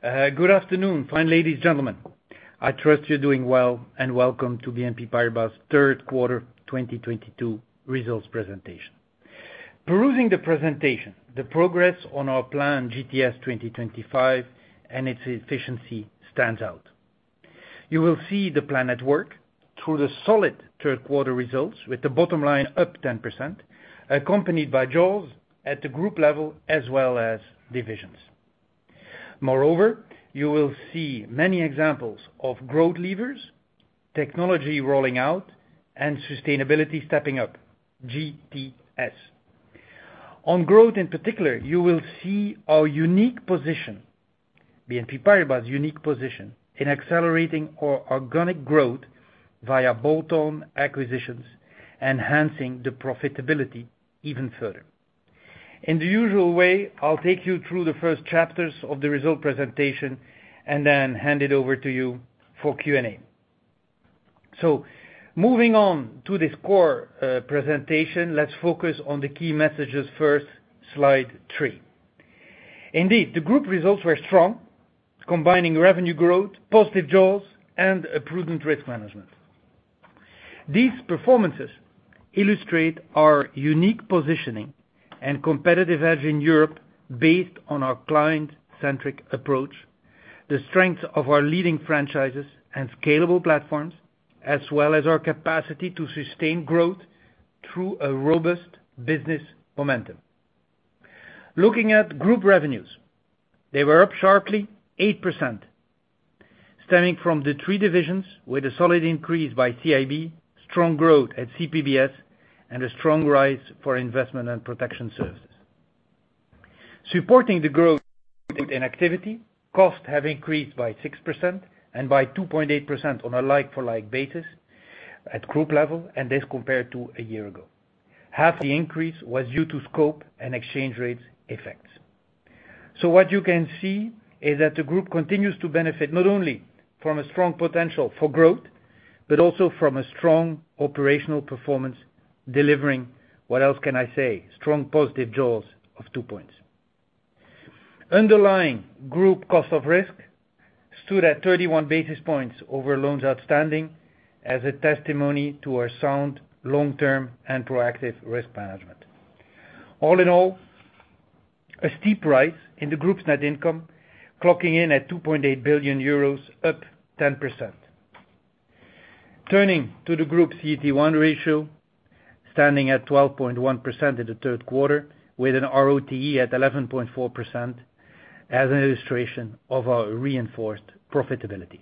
Good afternoon, fine ladies, gentlemen. I trust you're doing well, and welcome to BNP Paribas' third quarter 2022 results presentation. Perusing the presentation, the progress on our plan GTS 2025 and its efficiency stands out. You will see the plan at work through the solid third quarter results with the bottom line up 10%, accompanied by jaws at the group level, as well as divisions. Moreover, you will see many examples of growth levers, technology rolling out, and sustainability stepping up, GTS. On growth, in particular, you will see our unique position, BNP Paribas' unique position in accelerating our organic growth via bolt-on acquisitions, enhancing the profitability even further. In the usual way, I'll take you through the first chapters of the result presentation and then hand it over to you for Q&A. Moving on to this core presentation, let's focus on the key messages first, slide 3. Indeed, the group results were strong, combining revenue growth, positive jaws, and a prudent risk management. These performances illustrate our unique positioning and competitive edge in Europe based on our client-centric approach, the strength of our leading franchises and scalable platforms, as well as our capacity to sustain growth through a robust business momentum. Looking at group revenues, they were up sharply 8%, stemming from the three divisions with a solid increase by CIB, strong growth at CPBS, and a strong rise for Investment & Protection Services. Supporting the growth in activity, costs have increased by 6% and by 2.8% on a like-for-like basis at group level, and this compared to a year ago. Half the increase was due to scope and exchange rates effects. What you can see is that the group continues to benefit not only from a strong potential for growth, but also from a strong operational performance, delivering, what else can I say, strong positive jaws of 2 points. Underlying group cost of risk stood at 31 basis points over loans outstanding as a testimony to our sound long-term and proactive risk management. All in all, a steep rise in the group's net income, clocking in at 2.8 billion euros, up 10%. Turning to the group CET1 ratio, standing at 12.1% in the third quarter with an ROTE at 11.4% as an illustration of our reinforced profitability.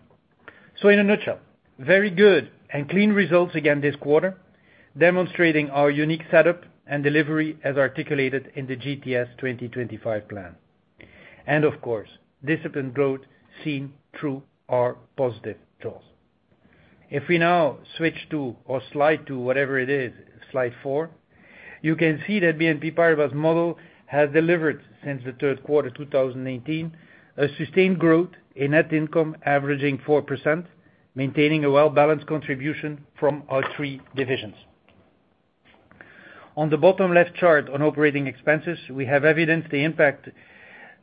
In a nutshell, very good and clean results again this quarter, demonstrating our unique setup and delivery as articulated in the GTS 2025 plan. Of course, disciplined growth seen through our positive jaws. If we now switch to or slide to whatever it is, slide four, you can see that BNP Paribas' model has delivered since the third quarter 2018, a sustained growth in net income averaging 4%, maintaining a well-balanced contribution from our three divisions. On the bottom left chart on operating expenses, we have evidenced the impact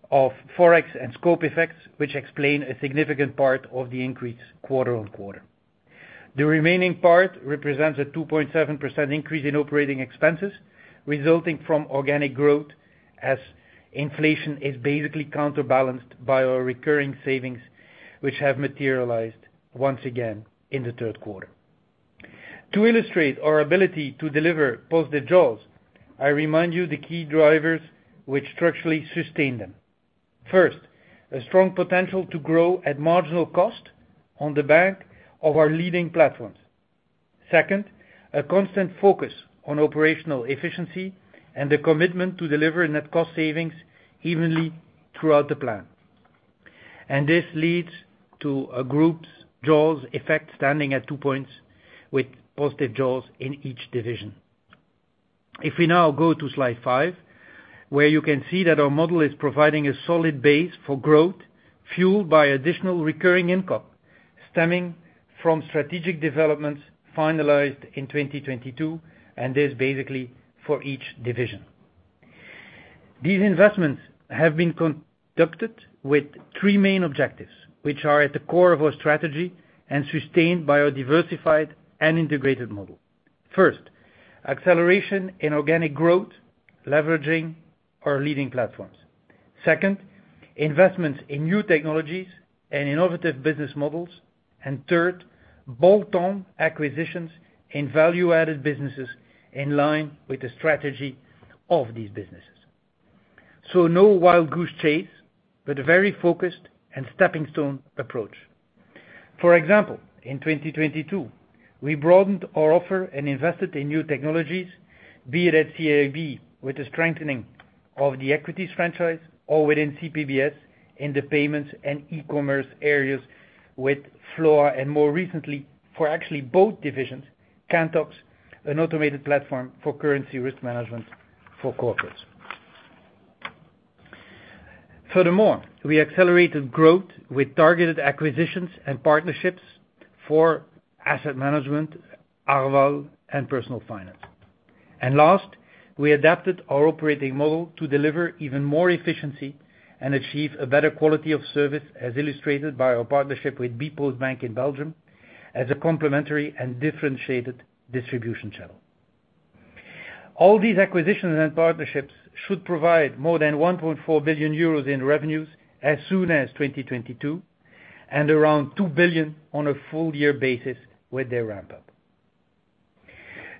of Forex and scope effects, which explain a significant part of the increase quarter-on-quarter. The remaining part represents a 2.7% increase in operating expenses resulting from organic growth as inflation is basically counterbalanced by our recurring savings, which have materialized once again in the third quarter. To illustrate our ability to deliver positive jaws, I remind you the key drivers which structurally sustain them. First, a strong potential to grow at marginal cost on the back of our leading platforms. Second, a constant focus on operational efficiency and the commitment to deliver net cost savings evenly throughout the plan. This leads to a group's jaws effect standing at 2 points with positive jaws in each division. If we now go to slide 5, where you can see that our model is providing a solid base for growth, fueled by additional recurring income stemming from strategic developments finalized in 2022, and is basically for each division. These investments have been conducted with 3 main objectives, which are at the core of our strategy and sustained by our diversified and integrated model. First, acceleration in organic growth, leveraging our leading platforms. Second, investments in new technologies and innovative business models. Third, bolt-on acquisitions in value-added businesses in line with the strategy of these businesses. No wild goose chase, but a very focused and stepping stone approach. For example, in 2022, we broadened our offer and invested in new technologies, be it at CIB with the strengthening of the equities franchise or within CPBS in the payments and e-commerce areas with FLOA, and more recently for actually both divisions, Kantox, an automated platform for currency risk management for corporates. Furthermore, we accelerated growth with targeted acquisitions and partnerships for asset management, Arval, and personal finance. Last, we adapted our operating model to deliver even more efficiency and achieve a better quality of service, as illustrated by our partnership with Bpost Bank in Belgium as a complementary and differentiated distribution channel. All these acquisitions and partnerships should provide more than 1.4 billion euros in revenues as soon as 2022, and around 2 billion on a full year basis with their ramp up.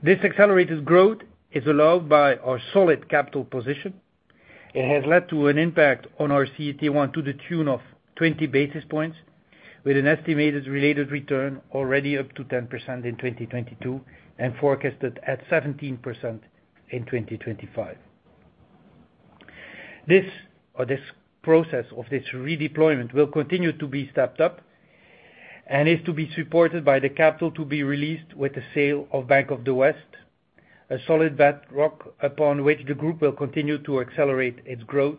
This accelerated growth is allowed by our solid capital position. It has led to an impact on our CET1 to the tune of 20 basis points, with an estimated related return already up to 10% in 2022 and forecasted at 17% in 2025. This process of this redeployment will continue to be stepped up and is to be supported by the capital to be released with the sale of Bank of the West, a solid bedrock upon which the group will continue to accelerate its growth,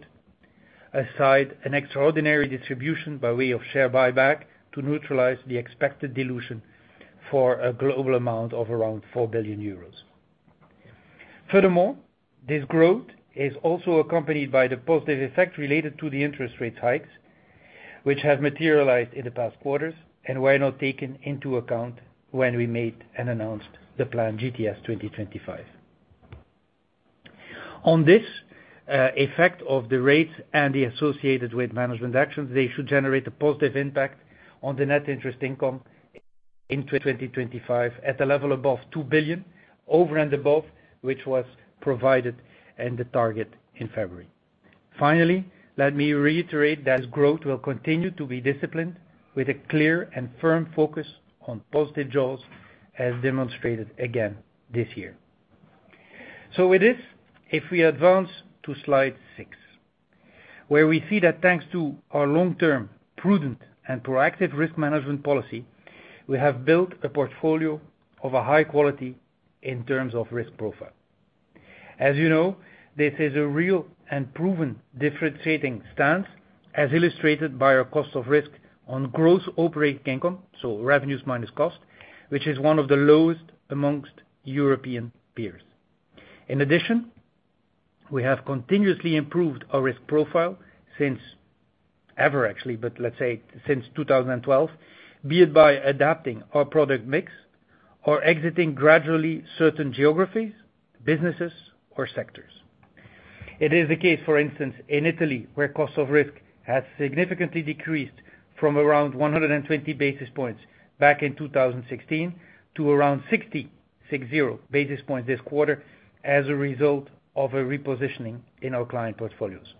alongside an extraordinary distribution by way of share buyback to neutralize the expected dilution for a global amount of around 4 billion euros. Furthermore, this growth is also accompanied by the positive effect related to the interest rate hikes, which have materialized in the past quarters and were not taken into account when we made and announced the plan GTS 2025. On this, effect of the rates and the associated with management actions, they should generate a positive impact on the net interest income in 2025 at a level above 2 billion over and above, which was provided and the target in February. Finally, let me reiterate that growth will continue to be disciplined with a clear and firm focus on positive jaws as demonstrated again this year. With this, if we advance to slide 6, where we see that thanks to our long-term prudent and proactive risk management policy, we have built a portfolio of a high quality in terms of risk profile. As you know, this is a real and proven differentiating stance, as illustrated by our cost of risk on gross operating income, so revenues minus cost, which is one of the lowest among European peers. In addition, we have continuously improved our risk profile since ever, actually, but let's say since 2012, be it by adapting our product mix or exiting gradually certain geographies, businesses or sectors. It is the case, for instance, in Italy, where cost of risk has significantly decreased from around 120 basis points back in 2016 to around 66 basis points this quarter as a result of a repositioning in our client portfolios.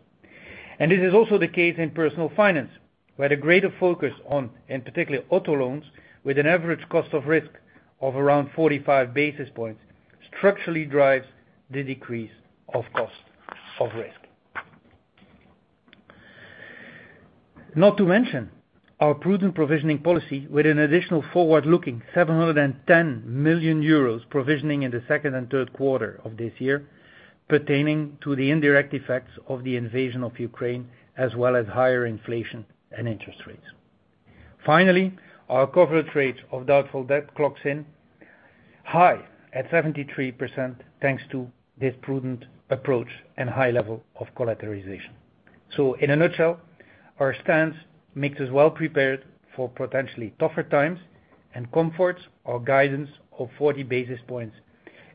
This is also the case in personal finance, where the greater focus on, in particular, auto loans with an average cost of risk of around 45 basis points structurally drives the decrease of cost of risk. Not to mention our prudent provisioning policy with an additional forward-looking 710 million euros provisioning in the second and third quarter of this year pertaining to the indirect effects of the invasion of Ukraine, as well as higher inflation and interest rates. Finally, our coverage rate of doubtful debt clocks in high at 73%, thanks to this prudent approach and high level of collateralization. In a nutshell, our stance makes us well prepared for potentially tougher times and comforts our guidance of 40 basis points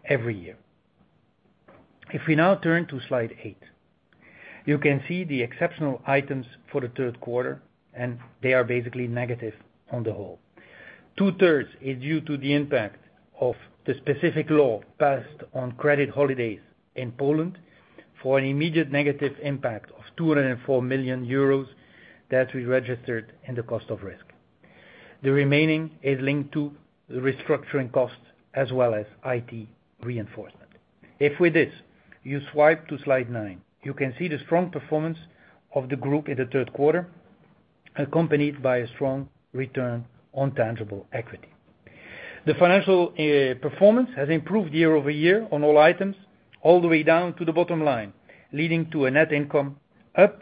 every year. If we now turn to slide 8, you can see the exceptional items for the third quarter, and they are basically negative on the whole. Two-thirds is due to the impact of the specific law passed on credit holidays in Poland for an immediate negative impact of 204 million euros that we registered in the cost of risk. The remaining is linked to the restructuring cost as well as IT reinforcement. If with this, you swipe to slide 9, you can see the strong performance of the group in the third quarter, accompanied by a strong return on tangible equity. The financial performance has improved year-over-year on all items, all the way down to the bottom line, leading to a net income up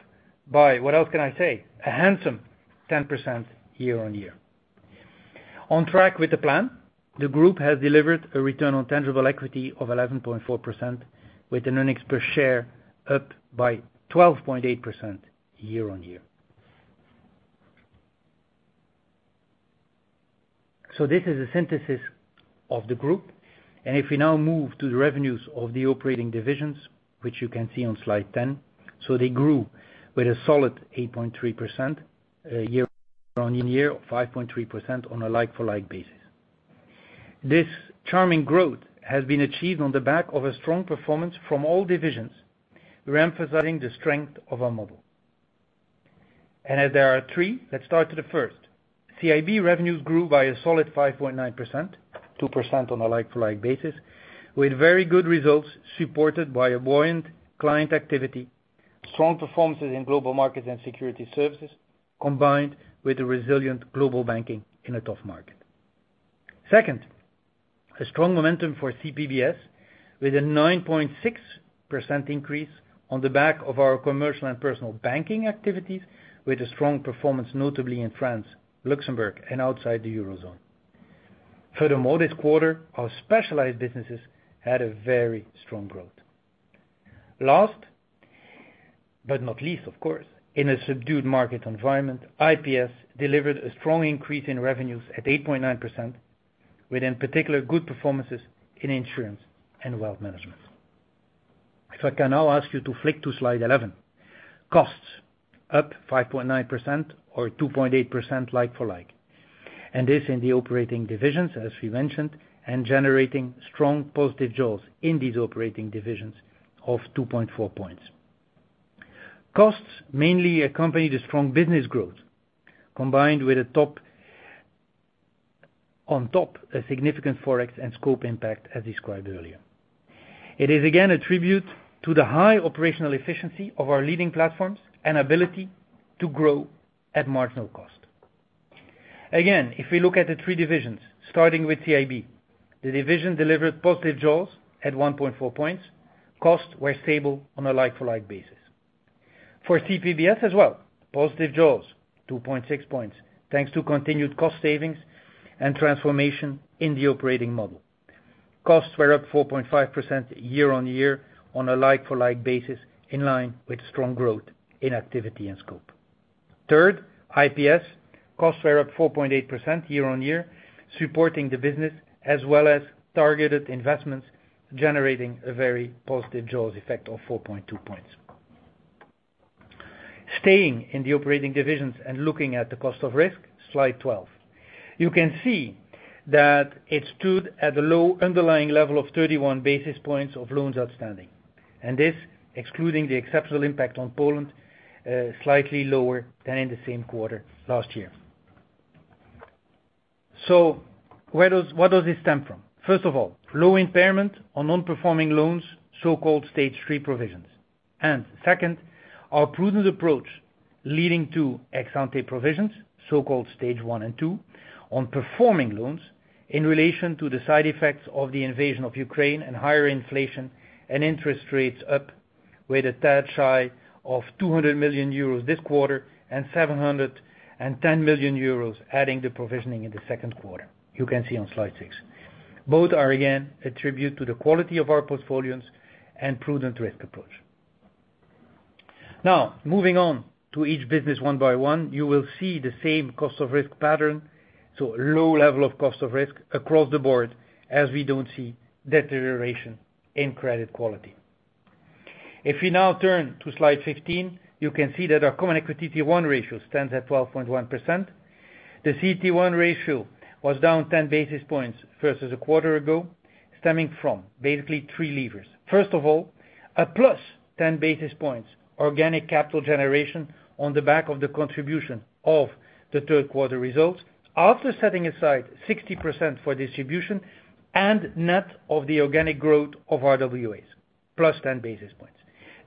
by, what else can I say, a handsome 10% year-over-year. On track with the plan, the group has delivered a return on tangible equity of 11.4%, with an earnings per share up by 12.8% year-on-year. This is a synthesis of the group. If we now move to the revenues of the operating divisions, which you can see on slide 10. They grew with a solid 8.3% year-on-year, 5.3% on a like-for-like basis. This sustained growth has been achieved on the back of a strong performance from all divisions, re-emphasizing the strength of our model. As there are three, let's start to the first. CIB revenues grew by a solid 5.9%, 2% on a like-for-like basis, with very good results supported by a buoyant client activity, strong performances in global markets and security services, combined with a resilient global banking in a tough market. Second, a strong momentum for CPBS with a 9.6% increase on the back of our commercial and personal banking activities, with a strong performance, notably in France, Luxembourg, and outside the Eurozone. Furthermore, this quarter, our specialized businesses had a very strong growth. Last, but not least, of course, in a subdued market environment, IPS delivered a strong increase in revenues at 8.9%, with in particular good performances in insurance and wealth management. If I can now ask you to flick to slide 11. Costs up 5.9% or 2.8% like-for-like, and this in the operating divisions, as we mentioned, and generating strong positive jaws in these operating divisions of 2.4 points. Costs mainly accompany the strong business growth, combined with, on top, a significant Forex and scope impact, as described earlier. It is again a tribute to the high operational efficiency of our leading platforms and ability to grow at marginal cost. Again, if we look at the three divisions, starting with CIB, the division delivered positive jaws at 1.4 points. Costs were stable on a like-for-like basis. For CPBS as well, positive jaws, 2.6 points, thanks to continued cost savings and transformation in the operating model. Costs were up 4.5% year-on-year on a like-for-like basis, in line with strong growth in activity and scope. Third, IPS costs were up 4.8% year-on-year, supporting the business as well as targeted investments, generating a very positive jaws effect of 4.2 points. Staying in the operating divisions and looking at the cost of risk, slide 12. You can see that it stood at a low underlying level of 31 basis points of loans outstanding, and this excluding the exceptional impact on Poland, slightly lower than in the same quarter last year. Where does this stem from? First of all, low impairment on non-performing loans, so-called Stage 3 provisions. Second, our prudent approach leading to ex ante provisions, so-called Stage 1 and 2 on performing loans in relation to the side effects of the invasion of Ukraine and higher inflation and interest rates up, with a touch high of 200 million euros this quarter and 710 million euros, adding to the provisioning in the second quarter. You can see on slide 6. Both are again attributable to the quality of our portfolios and prudent risk approach. Now, moving on to each business one by one, you will see the same cost of risk pattern, so a low level of cost of risk across the board as we don't see deterioration in credit quality. If we now turn to slide 15, you can see that our Common Equity Tier 1 ratio stands at 12.1%. The CET1 ratio was down 10 basis points versus a quarter ago, stemming from basically three levers. First of all, a plus 10 basis points organic capital generation on the back of the contribution of the third quarter results. After setting aside 60% for distribution and net of the organic growth of RWAs, plus 10 basis points.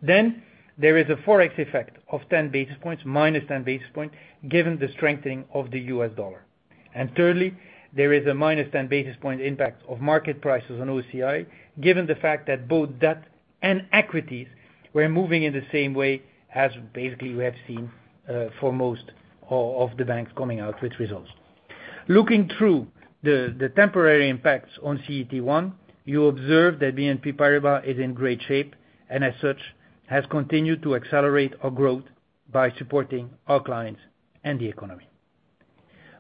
Then there is a Forex effect of 10 basis points, minus 10 basis points, given the strengthening of the US dollar. Thirdly, there is a minus 10 basis point impact of market prices on OCI, given the fact that both debt and equities were moving in the same way as basically we have seen for most of the banks coming out with results. Looking through the temporary impacts on CET1, you observe that BNP Paribas is in great shape, and as such, has continued to accelerate our growth by supporting our clients and the economy.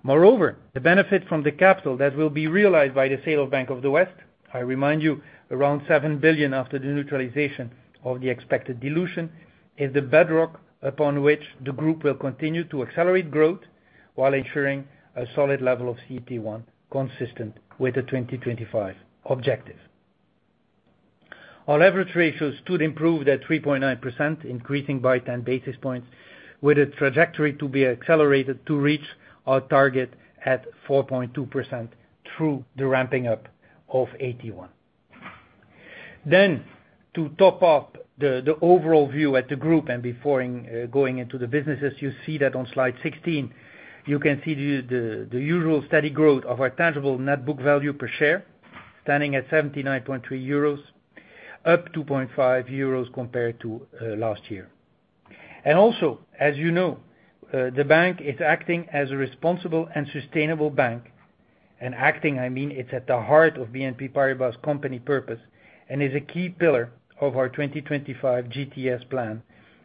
Moreover, the benefit from the capital that will be realized by the sale of Bank of the West, I remind you, around $7 billion after the neutralization of the expected dilution, is the bedrock upon which the group will continue to accelerate growth while ensuring a solid level of CET1 consistent with the 2025 objective. Our leverage ratio stood improved at 3.9%, increasing by 10 basis points, with a trajectory to be accelerated to reach our target at 4.2% through the ramping up of AT1. To top up the overall view at the group and before going into the businesses, you see that on slide 16, you can see the usual steady growth of our tangible net book value per share, standing at 79.3 euros, up 2.5 euros compared to last year. As you know, the bank is acting as a responsible and sustainable bank. Acting, I mean, it's at the heart of BNP Paribas' company purpose and is a key pillar of our 2025 GTS plan,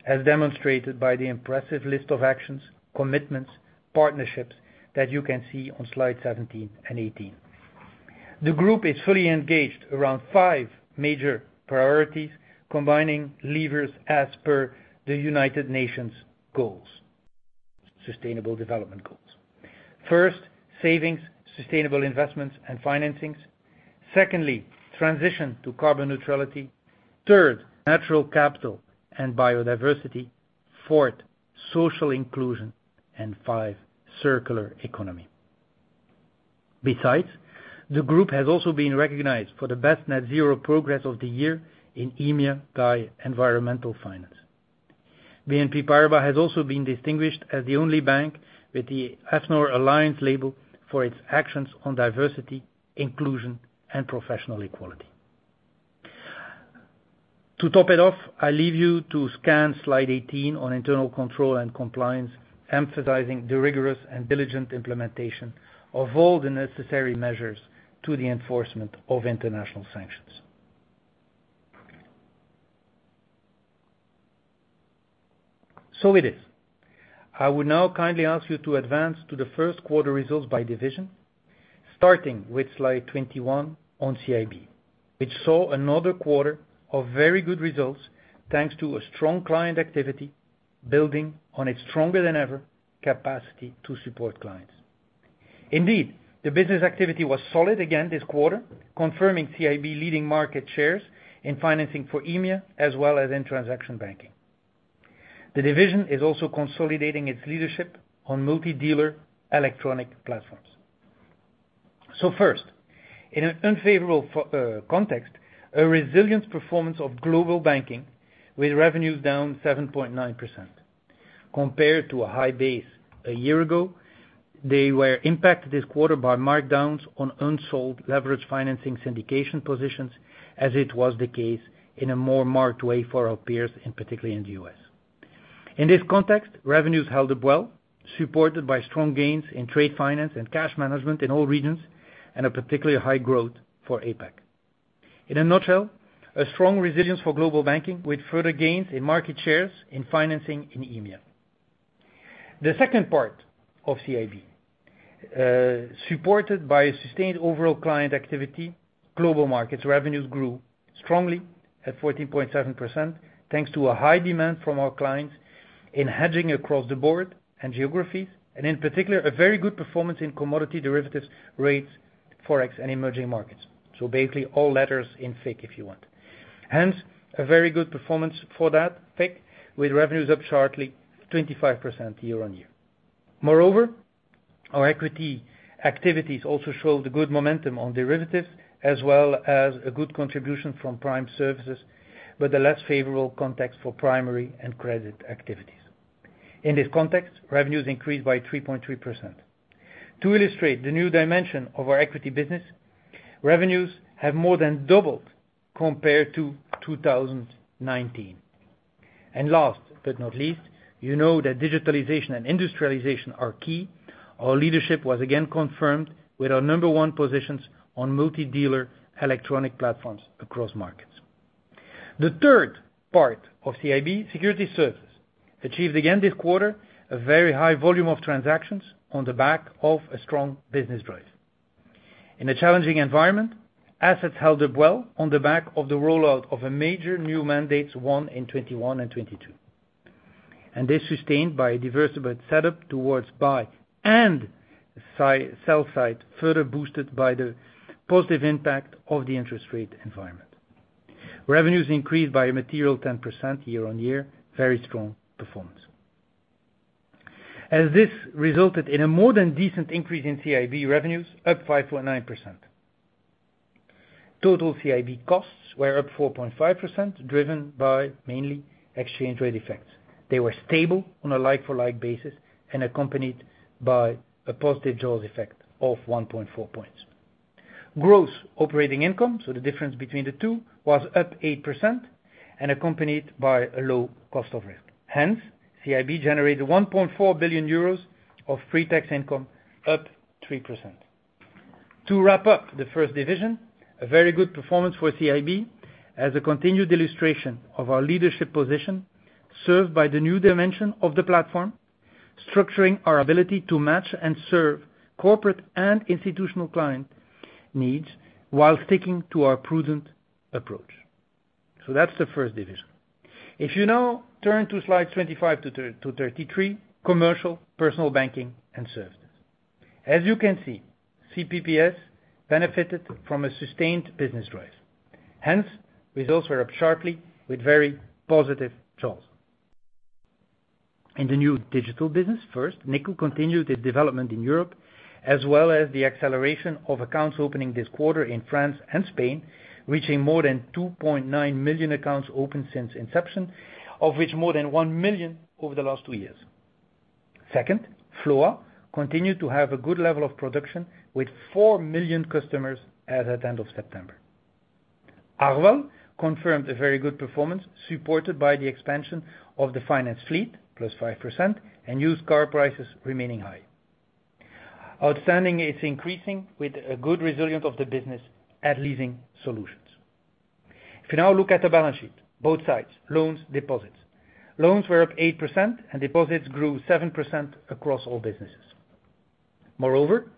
as demonstrated by the impressive list of actions, commitments, partnerships that you can see on slide 17 and 18. The group is fully engaged around five major priorities, combining levers as per the United Nations goals, Sustainable Development Goals. First, savings, sustainable investments, and financings. Secondly, transition to carbon neutrality. Third, natural capital and biodiversity. Fourth, social inclusion. Five, circular economy. Besides, the group has also been recognized for the best net zero progress of the year in EMEA by Environmental Finance. BNP Paribas has also been distinguished as the only bank with the AFNOR Alliance label for its actions on diversity, inclusion, and professional equality. To top it off, I leave you to scan slide 18 on internal control and compliance, emphasizing the rigorous and diligent implementation of all the necessary measures to the enforcement of international sanctions. It is. I will now kindly ask you to advance to the first quarter results by division, starting with slide 21 on CIB, which saw another quarter of very good results, thanks to a strong client activity, building on its stronger-than-ever capacity to support clients. Indeed, the business activity was solid again this quarter, confirming CIB leading market shares in financing for EMEA, as well as in transaction banking. The division is also consolidating its leadership on multi-dealer electronic platforms. In an unfavorable context, a resilient performance of global banking with revenues down 7.9% compared to a high base a year ago. They were impacted this quarter by markdowns on unsold leveraged financing syndication positions, as it was the case in a more marked way for our peers, and particularly in the U.S. In this context, revenues held up well, supported by strong gains in trade finance and cash management in all regions, and a particularly high growth for APAC. In a nutshell, a strong resilience for global banking with further gains in market shares in financing in EMEA. The second part of CIB, supported by a sustained overall client activity, global markets revenues grew strongly at 14.7%, thanks to a high demand from our clients in hedging across the board and geographies, and in particular, a very good performance in commodity derivatives rates, Forex and emerging markets. Basically all letters in FICC, if you want. Hence, a very good performance for that FICC, with revenues up sharply 25% year-on-year. Moreover, our equity activities also showed a good momentum on derivatives, as well as a good contribution from prime services, with a less favorable context for primary and credit activities. In this context, revenues increased by 3.3%. To illustrate the new dimension of our equity business, revenues have more than doubled compared to 2019. Last but not least, you know that digitalization and industrialization are key. Our leadership was again confirmed with our number one positions on multi-dealer electronic platforms across markets. The third part of CIB security services achieved again this quarter a very high volume of transactions on the back of a strong business drive. In a challenging environment, assets held up well on the back of the rollout of a major new mandate won in 2021 and 2022. They sustained by a diversified setup towards buy and sell side, further boosted by the positive impact of the interest rate environment. Revenues increased by a material 10% year-on-year. Very strong performance. This resulted in a more than decent increase in CIB revenues, up 5.9%. Total CIB costs were up 4.5%, driven mainly by exchange rate effects. They were stable on a like-for-like basis and accompanied by a positive jaws effect of 1.4 points. Gross operating income, so the difference between the two, was up 8% and accompanied by a low cost of risk. Hence, CIB generated 1.4 billion euros of free tax income, up 3%. To wrap up the first division, a very good performance for CIB as a continued illustration of our leadership position, served by the new dimension of the platform, structuring our ability to match and serve corporate and institutional client needs while sticking to our prudent approach. That's the first division. If you now turn to slide 25 to 33, Commercial, Personal Banking & Services. As you can see, CPBS benefited from a sustained business drive. Hence, results were up sharply with very positive jaws. In the new digital business, first, Nickel continued its development in Europe, as well as the acceleration of accounts opening this quarter in France and Spain, reaching more than 2.9 million accounts open since inception, of which more than 1 million over the last two years. Second, FLOA continued to have a good level of production with 4 million customers as at end of September. Arval confirmed a very good performance supported by the expansion of the finance fleet, +5%, and used car prices remaining high. Outstanding, it's increasing with a good resilience of the business at leasing solutions. If you now look at the balance sheet, both sides, loans, deposits. Loans were up 8% and deposits grew 7% across all businesses. Moreover,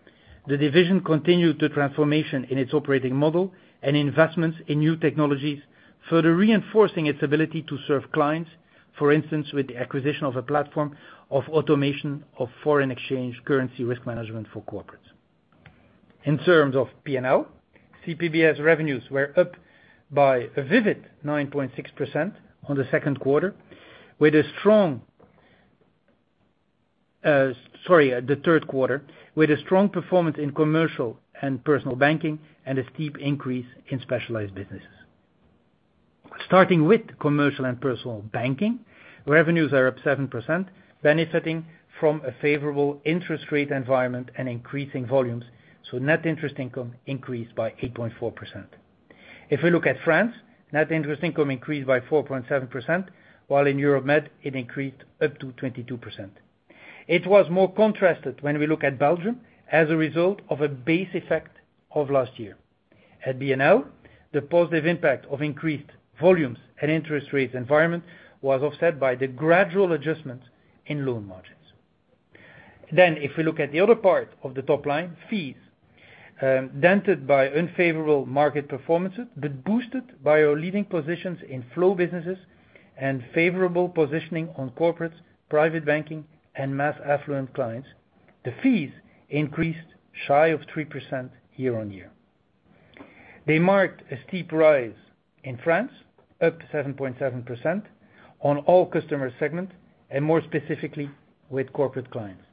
the division continued the transformation in its operating model and investments in new technologies, further reinforcing its ability to serve clients, for instance, with the acquisition of a platform of automation of foreign exchange currency risk management for corporates. In terms of P&L, CPBS revenues were up by a solid 9.6% in the third quarter, with a strong performance in commercial and personal banking and a steep increase in specialized businesses. Starting with commercial and personal banking, revenues are up 7%, benefiting from a favorable interest rate environment and increasing volumes, so net interest income increased by 8.4%. If we look at France, net interest income increased by 4.7%, while in Europe-Mediterranean it increased up to 22%. It was more contrasted when we look at Belgium as a result of a base effect of last year. At BNL, the positive impact of increased volumes and interest rates environment was offset by the gradual adjustments in loan margins. If we look at the other part of the top line, fees, dented by unfavorable market performances, but boosted by our leading positions in flow businesses and favorable positioning on corporates, private banking, and mass affluent clients. The fees increased shy of 3% year-on-year. They marked a steep rise in France up to 7.7% on all customer segments, and more specifically with corporate clients.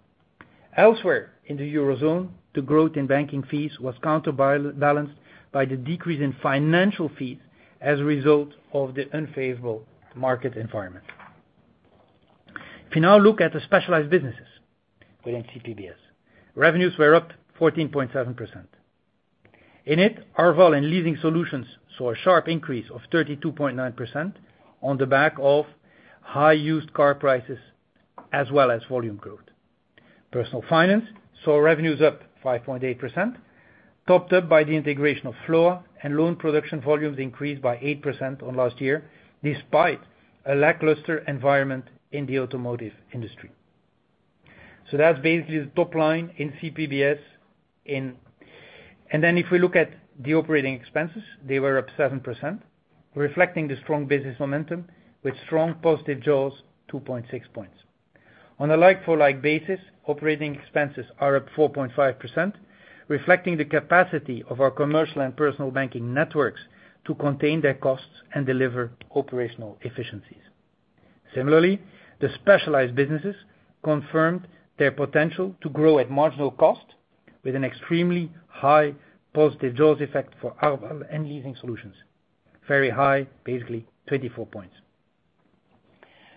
Elsewhere in the Eurozone, the growth in banking fees was counterbalanced by the decrease in financial fees as a result of the unfavorable market environment. If you now look at the specialized businesses within CPBS, revenues were up 14.7%. In it, Arval and leasing solutions saw a sharp increase of 32.9% on the back of high used car prices as well as volume growth. Personal finance saw revenues up 5.8%, topped up by the integration of FLOA and loan production volumes increased by 8% on last year, despite a lackluster environment in the automotive industry. That's basically the top line in CPBS. Then if we look at the operating expenses, they were up 7%, reflecting the strong business momentum with strong positive JOWs, 2.6 points. On a like-for-like basis, operating expenses are up 4.5%, reflecting the capacity of our commercial and personal banking networks to contain their costs and deliver operational efficiencies. Similarly, the specialized businesses confirmed their potential to grow at marginal cost with an extremely high positive jaws effect for Arval and leasing solutions. Very high, basically 24 points.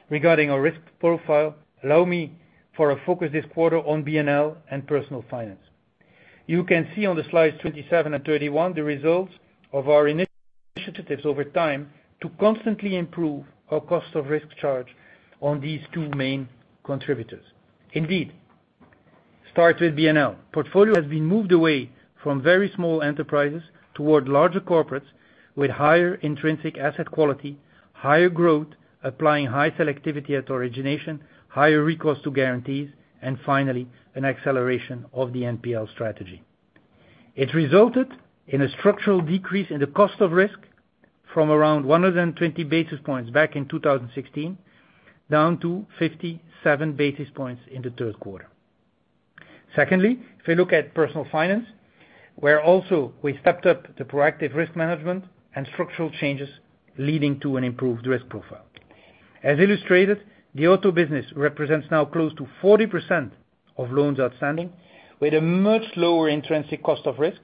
Regarding our risk profile, allow me to focus this quarter on BNL and personal finance. You can see on the slides 27 and 31 the results of our initiatives over time to constantly improve our cost of risk charge on these two main contributors. Indeed, start with BNL. Portfolio has been moved away from very small enterprises toward larger corporates with higher intrinsic asset quality, higher growth, applying high selectivity at origination, higher recourse to guarantees, and finally, an acceleration of the NPL strategy. It resulted in a structural decrease in the cost of risk from around 120 basis points back in 2016, down to 57 basis points in the third quarter. Secondly, if you look at personal finance, where also we stepped up the proactive risk management and structural changes leading to an improved risk profile. As illustrated, the auto business represents now close to 40% of loans outstanding, with a much lower intrinsic cost of risk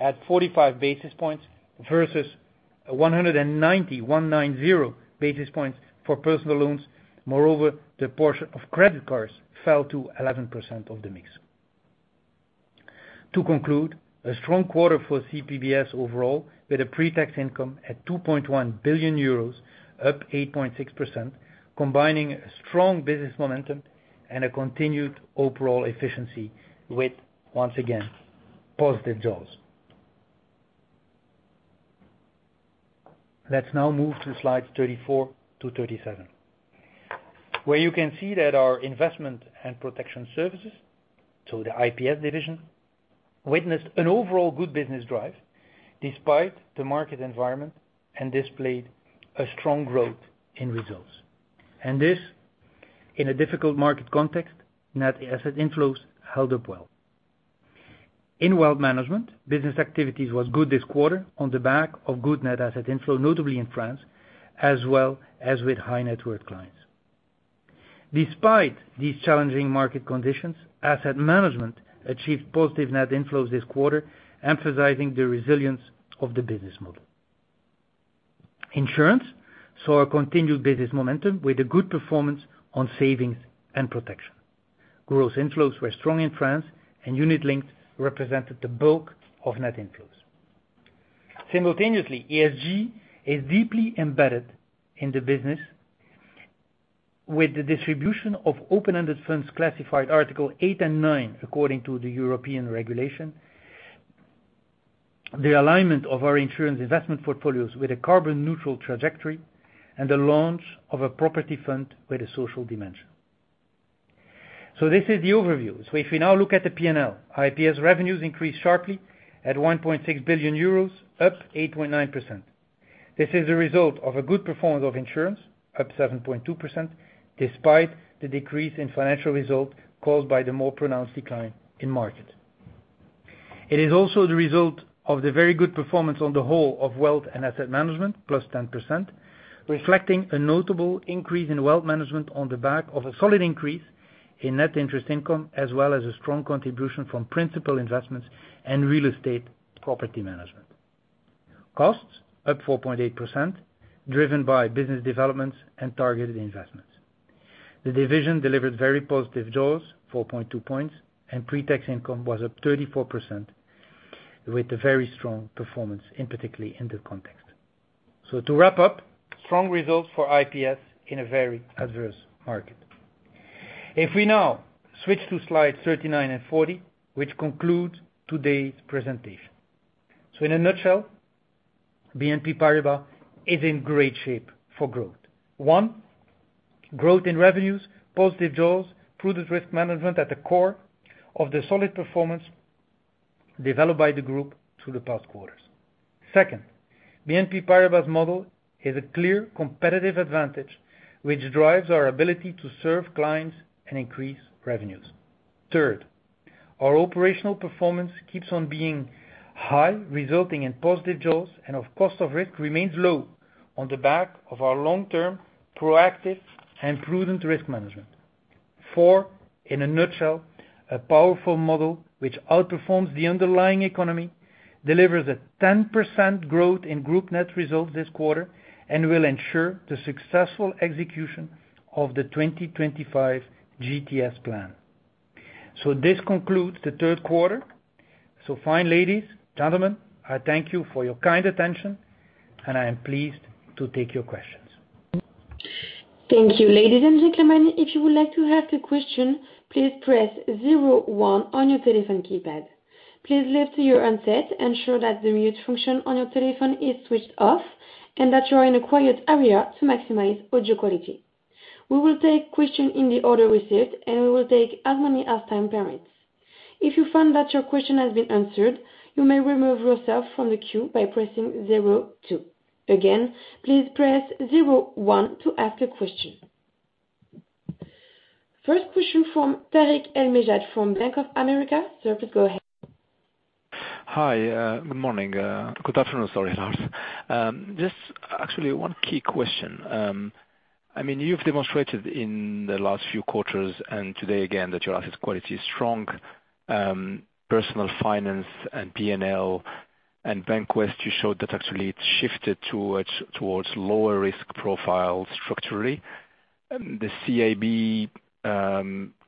at 45 basis points versus 190 basis points for personal loans. Moreover, the portion of credit cards fell to 11% of the mix. To conclude, a strong quarter for CPBS overall, with a pre-tax income at 2.1 billion euros, up 8.6%, combining strong business momentum and a continued overall efficiency with, once again, positive JOWs. Let's now move to slides 34 to 37, where you can see that our Investment and Protection Services, so the IPS division, witnessed an overall good business drive despite the market environment and displayed a strong growth in results. This, in a difficult market context, net asset inflows held up well. In wealth management, business activities was good this quarter on the back of good net asset inflow, notably in France, as well as with high net worth clients. Despite these challenging market conditions, asset management achieved positive net inflows this quarter, emphasizing the resilience of the business model. Insurance saw a continued business momentum with a good performance on savings and protection. Gross inflows were strong in France, and unit links represented the bulk of net inflows. Simultaneously, ESG is deeply embedded in the business with the distribution of open-ended funds classified Article 8 and 9 according to the European regulation, the alignment of our insurance investment portfolios with a carbon neutral trajectory and the launch of a property fund with a social dimension. This is the overview. If we now look at the P&L, IPS revenues increased sharply at 1.6 billion euros, up 8.9%. This is a result of a good performance of insurance, up 7.2%, despite the decrease in financial results caused by the more pronounced decline in market. It is also the result of the very good performance on the whole of wealth and asset management, +10%, reflecting a notable increase in wealth management on the back of a solid increase in net interest income, as well as a strong contribution from principal investments and real estate property management. Costs up 4.8%, driven by business developments and targeted investments. The division delivered very positive jaws, 4.2 points, and pre-tax income was up 34% with a very strong performance particularly in the context. To wrap up, strong results for IPS in a very adverse market. If we now switch to slide 39 and 40, which concludes today's presentation. In a nutshell, BNP Paribas is in great shape for growth. One, growth in revenues, positive jaws, prudent risk management at the core of the solid performance developed by the group through the past quarters. Second, BNP Paribas model is a clear competitive advantage, which drives our ability to serve clients and increase revenues. Third, our operational performance keeps on being high, resulting in positive jaws and the cost of risk remains low on the back of our long-term proactive and prudent risk management. Four, in a nutshell, a powerful model which outperforms the underlying economy, delivers a 10% growth in group net results this quarter, and will ensure the successful execution of the 2025 GTS plan. This concludes the third quarter. Ladies and gentlemen, I thank you for your kind attention, and I am pleased to take your questions. Thank you. Ladies and gentlemen, if you would like to ask a question, please press zero one on your telephone keypad. Please lift your handset, ensure that the mute function on your telephone is switched off, and that you are in a quiet area to maximize audio quality. We will take questions in the order received, and we will take as many as time permits. If you find that your question has been answered, you may remove yourself from the queue by pressing zero two. Again, please press zero one to ask a question. First question from Tarik El Mejjad from Bank of America. Sir, please go ahead. Hi, good morning. Good afternoon. Sorry, Lars. Just actually one key question. I mean, you've demonstrated in the last few quarters and today again that your asset quality is strong. Personal finance and P&L and Bank of the West, you showed that actually it shifted towards lower risk profile structurally. The CIB,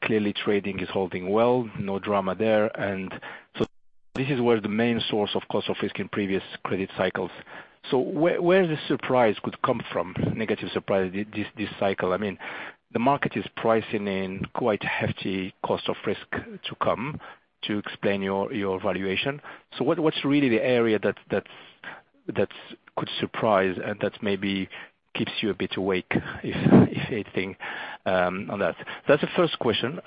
clearly trading is holding well, no drama there. This is where the main source of cost of risk in previous credit cycles. Where the surprise could come from, negative surprise this cycle? I mean, the market is pricing in quite hefty cost of risk to come to explain your valuation. What's really the area that that's could surprise and that maybe keeps you a bit awake, if anything, on that? That's the first question.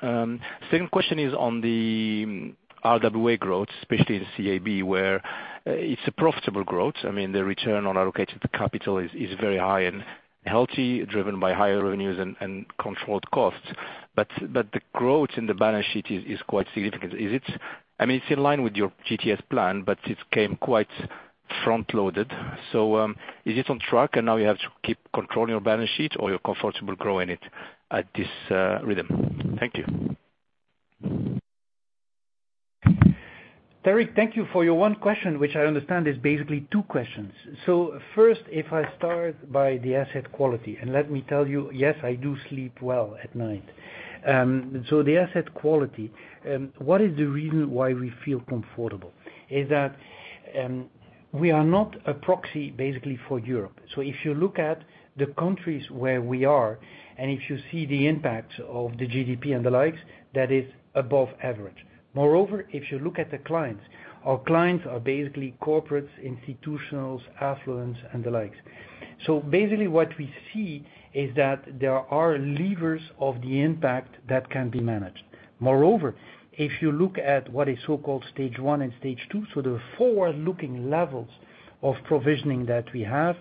Second question is on the RWA growth, especially in CIB, where it's a profitable growth. I mean, the return on allocated capital is very high and healthy, driven by higher revenues and controlled costs. The growth in the balance sheet is quite significant. I mean, it's in line with your GTS plan, but it came quite front-loaded. Is it on track and now you have to keep controlling your balance sheet or you're comfortable growing it at this rhythm? Thank you. Tarik, thank you for your one question, which I understand is basically two questions. First, if I start by the asset quality, and let me tell you, yes, I do sleep well at night. The asset quality, what is the reason why we feel comfortable is that, we are not a proxy basically for Europe. If you look at the countries where we are and if you see the impact of the GDP and the likes, that is above average. Moreover, if you look at the clients, our clients are basically corporates, institutionals, affluents, and the likes. Basically what we see is that there are levers of the impact that can be managed. Moreover, if you look at what is so-called Stage 1 and Stage 2, the forward-looking levels of provisioning that we have,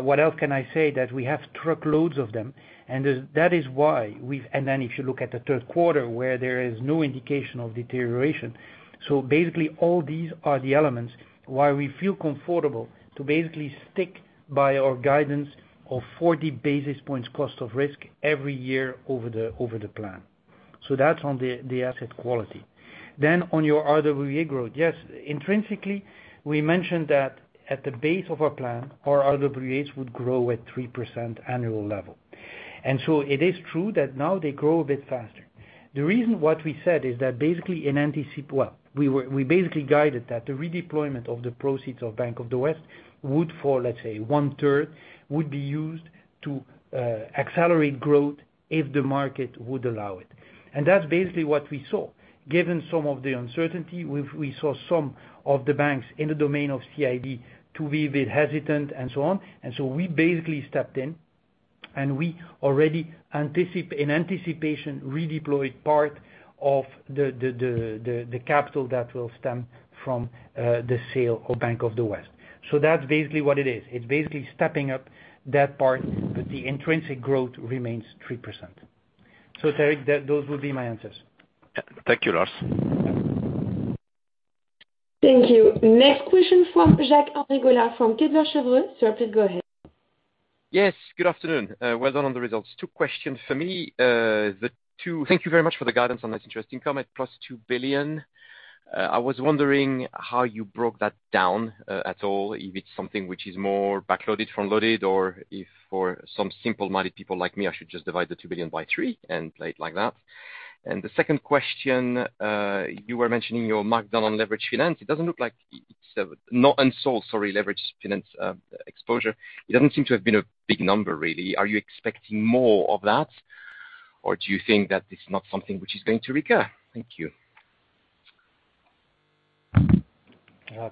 what else can I say? That we have truckloads of them, and that is why we've. Then if you look at the third quarter where there is no indication of deterioration. Basically all these are the elements why we feel comfortable to basically stick by our guidance of 40 basis points cost of risk every year over the plan. That's on the asset quality. On your RWA growth. Yes, intrinsically, we mentioned that at the base of our plan, our RWAs would grow at 3% annual level. It is true that now they grow a bit faster. The reason that we said is that basically in anticipation, we basically guided that the redeployment of the proceeds of Bank of the West would fall, let's say one-third, would be used to accelerate growth if the market would allow it. That's basically what we saw. Given some of the uncertainty, we saw some of the banks in the domain of CIB to be a bit hesitant and so on. We basically stepped in, and we already, in anticipation, redeployed part of the capital that will stem from the sale of Bank of the West. That's basically what it is. It's basically stepping up that part, but the intrinsic growth remains 3%. Tarik, those would be my answers. Thank you, Lars. Thank you. Next question from Jacques-Henri Gaulard from Kepler Cheuvreux. Sir, please go ahead. Yes, good afternoon. Well done on the results. Two questions for me. Thank you very much for the guidance on this interesting comment, plus 2 billion. I was wondering how you broke that down at all, if it's something which is more backloaded, front-loaded, or if for some simple-minded people like me, I should just divide 2 billion by three and play it like that. The second question, you were mentioning your markdown on leveraged finance. It doesn't look like it's not unsold, sorry, leveraged finance exposure. It doesn't seem to have been a big number, really. Are you expecting more of that, or do you think that it's not something which is going to recur? Thank you.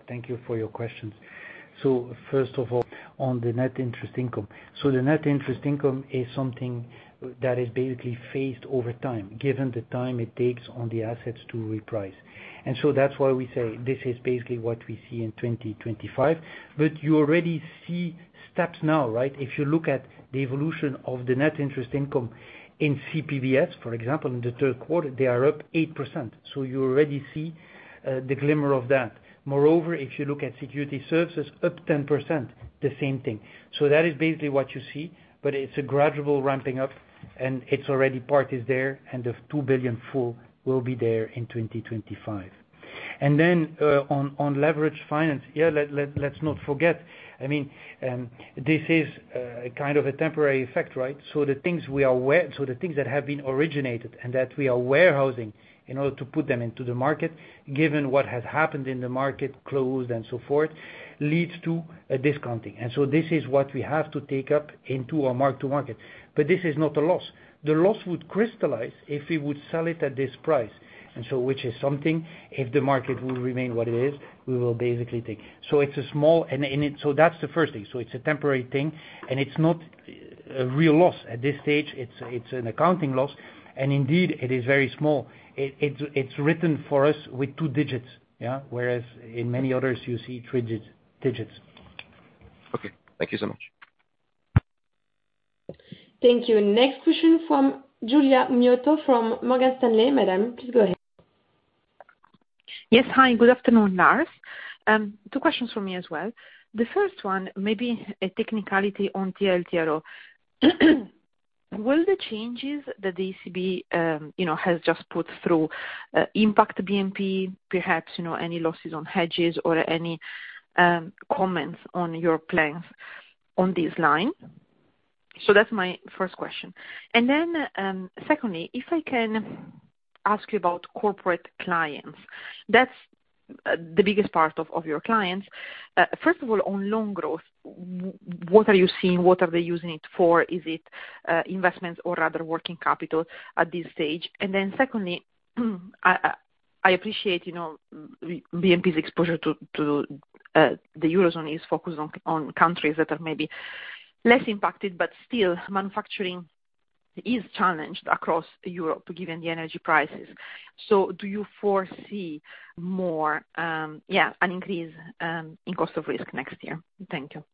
Thank you for your questions. First of all, on the net interest income. The net interest income is something that is basically phased over time, given the time it takes on the assets to reprice. That's why we say this is basically what we see in 2025. You already see steps now, right? If you look at the evolution of the net interest income in CPBS, for example, in the third quarter, they are up 8%. You already see the glimmer of that. Moreover, if you look at security services, up 10%, the same thing. That is basically what you see, but it's a gradual ramping up, and it's already part is there, and the 2 billion full will be there in 2025. Then, on leverage finance. Yeah. Let's not forget, I mean, this is kind of a temporary effect, right? The things that have been originated and that we are warehousing in order to put them into the market, given what has happened in the market, closed and so forth, leads to a discounting. This is what we have to take up into our mark to market. This is not a loss. The loss would crystallize if we would sell it at this price. Which is something if the market will remain what it is, we will basically take. It's a small. That's the first thing. It's a temporary thing, and it's not a real loss. At this stage, it's an accounting loss, and indeed it is very small. It's written for us with two digits, yeah, whereas in many others you see three digits. Okay. Thank you so much. Thank you. Next question from Giulia Miotto from Morgan Stanley. Madam, please go ahead. Yes. Hi, good afternoon, Lars. Two questions from me as well. The first one may be a technicality on TLTRO. Will the changes that the ECB, you know, has just put through, impact BNP, perhaps, you know, any losses on hedges or any comments on your plans on this line? So that's my first question. Secondly, if I can ask you about corporate clients, that's the biggest part of your clients. First of all, on loan growth, what are you seeing? What are they using it for? Is it investments or rather working capital at this stage? Secondly, I appreciate, you know, BNP's exposure to the Eurozone is focused on countries that are maybe less impacted but still manufacturing is challenged across Europe given the energy prices. Do you foresee more, an increase, in cost of risk next year? Thank you.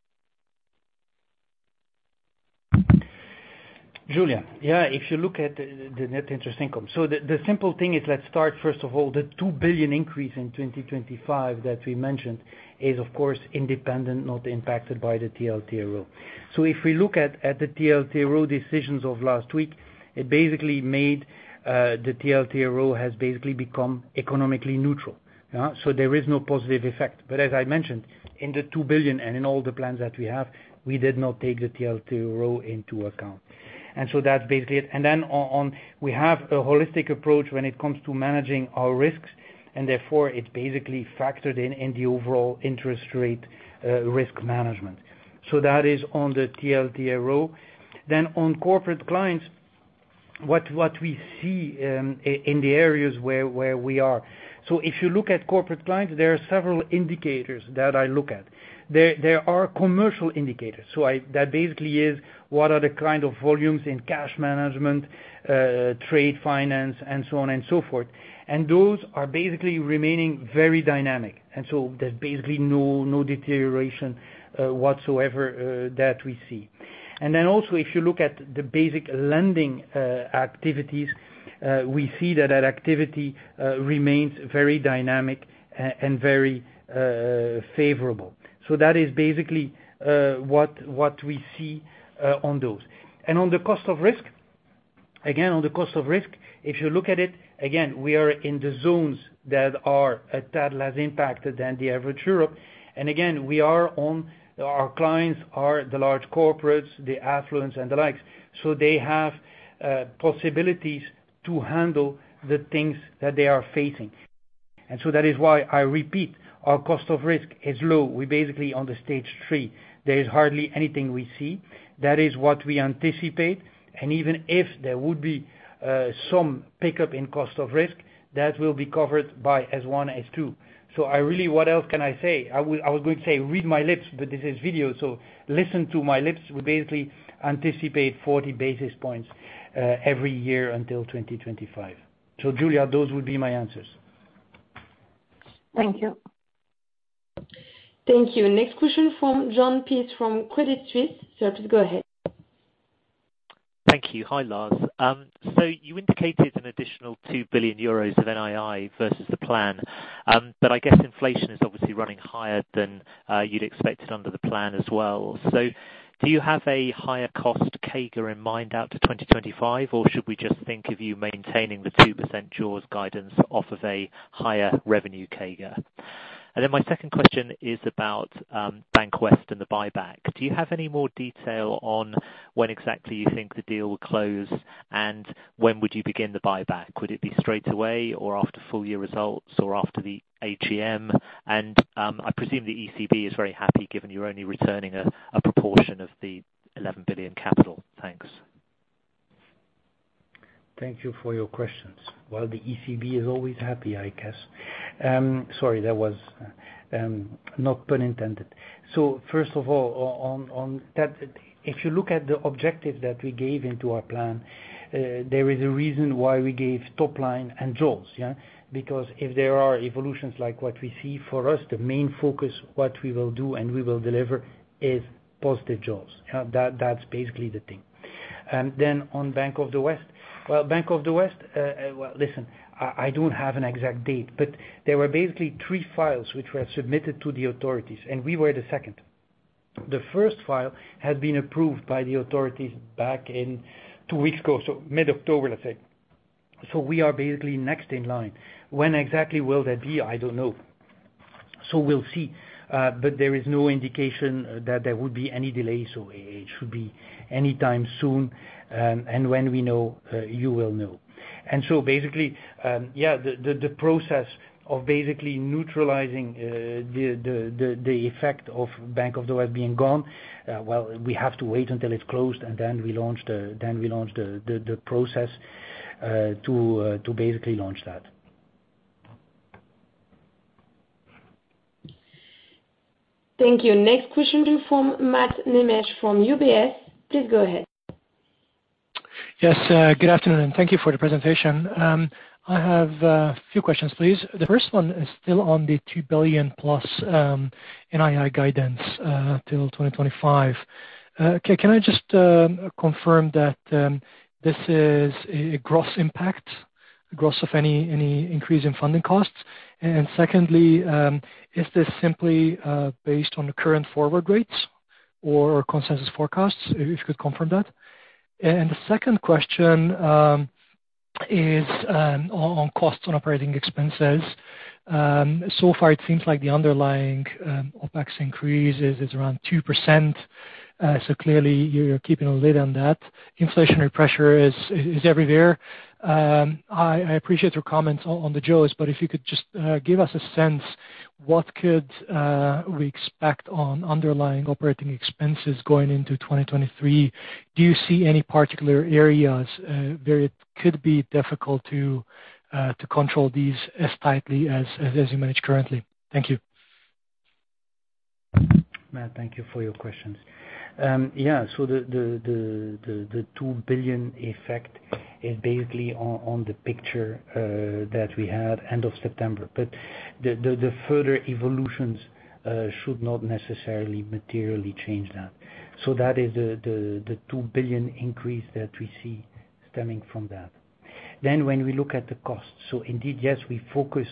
Giulia, yeah, if you look at the net interest income. The simple thing is let's start, first of all, the 2 billion increase in 2025 that we mentioned is of course independent, not impacted by the TLTRO. If we look at the TLTRO decisions of last week, the TLTRO has basically become economically neutral. There is no positive effect. As I mentioned, in the 2 billion and in all the plans that we have, we did not take the TLTRO into account. That's basically it. We have a holistic approach when it comes to managing our risks, and therefore it's basically factored in the overall interest rate risk management. That is on the TLTRO. On corporate clients, what we see in the areas where we are. If you look at corporate clients, there are several indicators that I look at. There are commercial indicators. That basically is what are the kind of volumes in cash management, trade finance and so on and so forth. And those are basically remaining very dynamic. And so there's basically no deterioration whatsoever that we see. And then also if you look at the basic lending activities, we see that activity remains very dynamic and very favorable. So that is basically what we see on those. And on the cost of risk, again, on the cost of risk, if you look at it, again, we are in the zones that are a tad less impacted than the European average. Our clients are the large corporates, the affluents and the likes. They have possibilities to handle the things that they are facing. That is why I repeat, our cost of risk is low. We're basically on the Stage 3. There is hardly anything we see. That is what we anticipate. Even if there would be some pickup in cost of risk, that will be covered by Stage 1, Stage 2. What else can I say? I would, I was going to say read my lips, but this is video, so listen to my lips. We basically anticipate 40 basis points every year until 2025. Giulia, those would be my answers. Thank you. Thank you. Next question from Jon Peace from Credit Suisse. Sir, please go ahead. Thank you. Hi, Lars Machenil. You indicated an additional 2 billion euros of NII versus the plan. I guess inflation is obviously running higher than you'd expected under the plan as well. Do you have a higher cost CAGR in mind out to 2025, or should we just think of you maintaining the 2% jaws guidance off of a higher revenue CAGR? Then my second question is about Bank of the West and the buyback. Do you have any more detail on when exactly you think the deal will close, and when would you begin the buyback? Would it be straightaway or after full-year results or after the AGM? I presume the ECB is very happy given you're only returning a proportion of the 11 billion capital. Thanks. Thank you for your questions. Well, the ECB is always happy, I guess. Sorry, that was not pun intended. First of all, on that, if you look at the objective that we gave into our plan, there is a reason why we gave top line and jaws, yeah. Because if there are evolutions like what we see, for us, the main focus, what we will do, and we will deliver is positive jaws. That's basically the thing. Then on Bank of the West. Well, Bank of the West, well, listen, I don't have an exact date, but there were basically three files which were submitted to the authorities, and we were the second. The first file had been approved by the authorities back in two weeks ago, so mid-October, let's say. We are basically next in line. When exactly will that be? I don't know. We'll see. But there is no indication that there would be any delay, so it should be any time soon. When we know, you will know. Basically, the process of basically neutralizing the effect of Bank of the West being gone, well, we have to wait until it's closed, and then we launch the process to basically launch that. Thank you. Next question from Mate Nemes from UBS. Please go ahead. Yes, good afternoon, and thank you for the presentation. I have a few questions, please. The first one is still on the 2 billion plus NII guidance till 2025. Okay, can I just confirm that this is a gross impact, gross of any increase in funding costs? And secondly, is this simply based on the current forward rates or consensus forecasts? If you could confirm that. The second question is on costs, on operating expenses. So far it seems like the underlying OpEx increase is around 2%. So clearly you're keeping a lid on that. Inflationary pressure is everywhere. I appreciate your comments on the jaws, but if you could just give us a sense of what we could expect on underlying operating expenses going into 2023? Do you see any particular areas where it could be difficult to control these as tightly as you manage currently? Thank you. Mate, thank you for your questions. Yeah, so the 2 billion effect is basically on the picture that we had end of September. The further evolutions should not necessarily materially change that. That is the 2 billion increase that we see stemming from that. When we look at the cost, so indeed, yes, we focus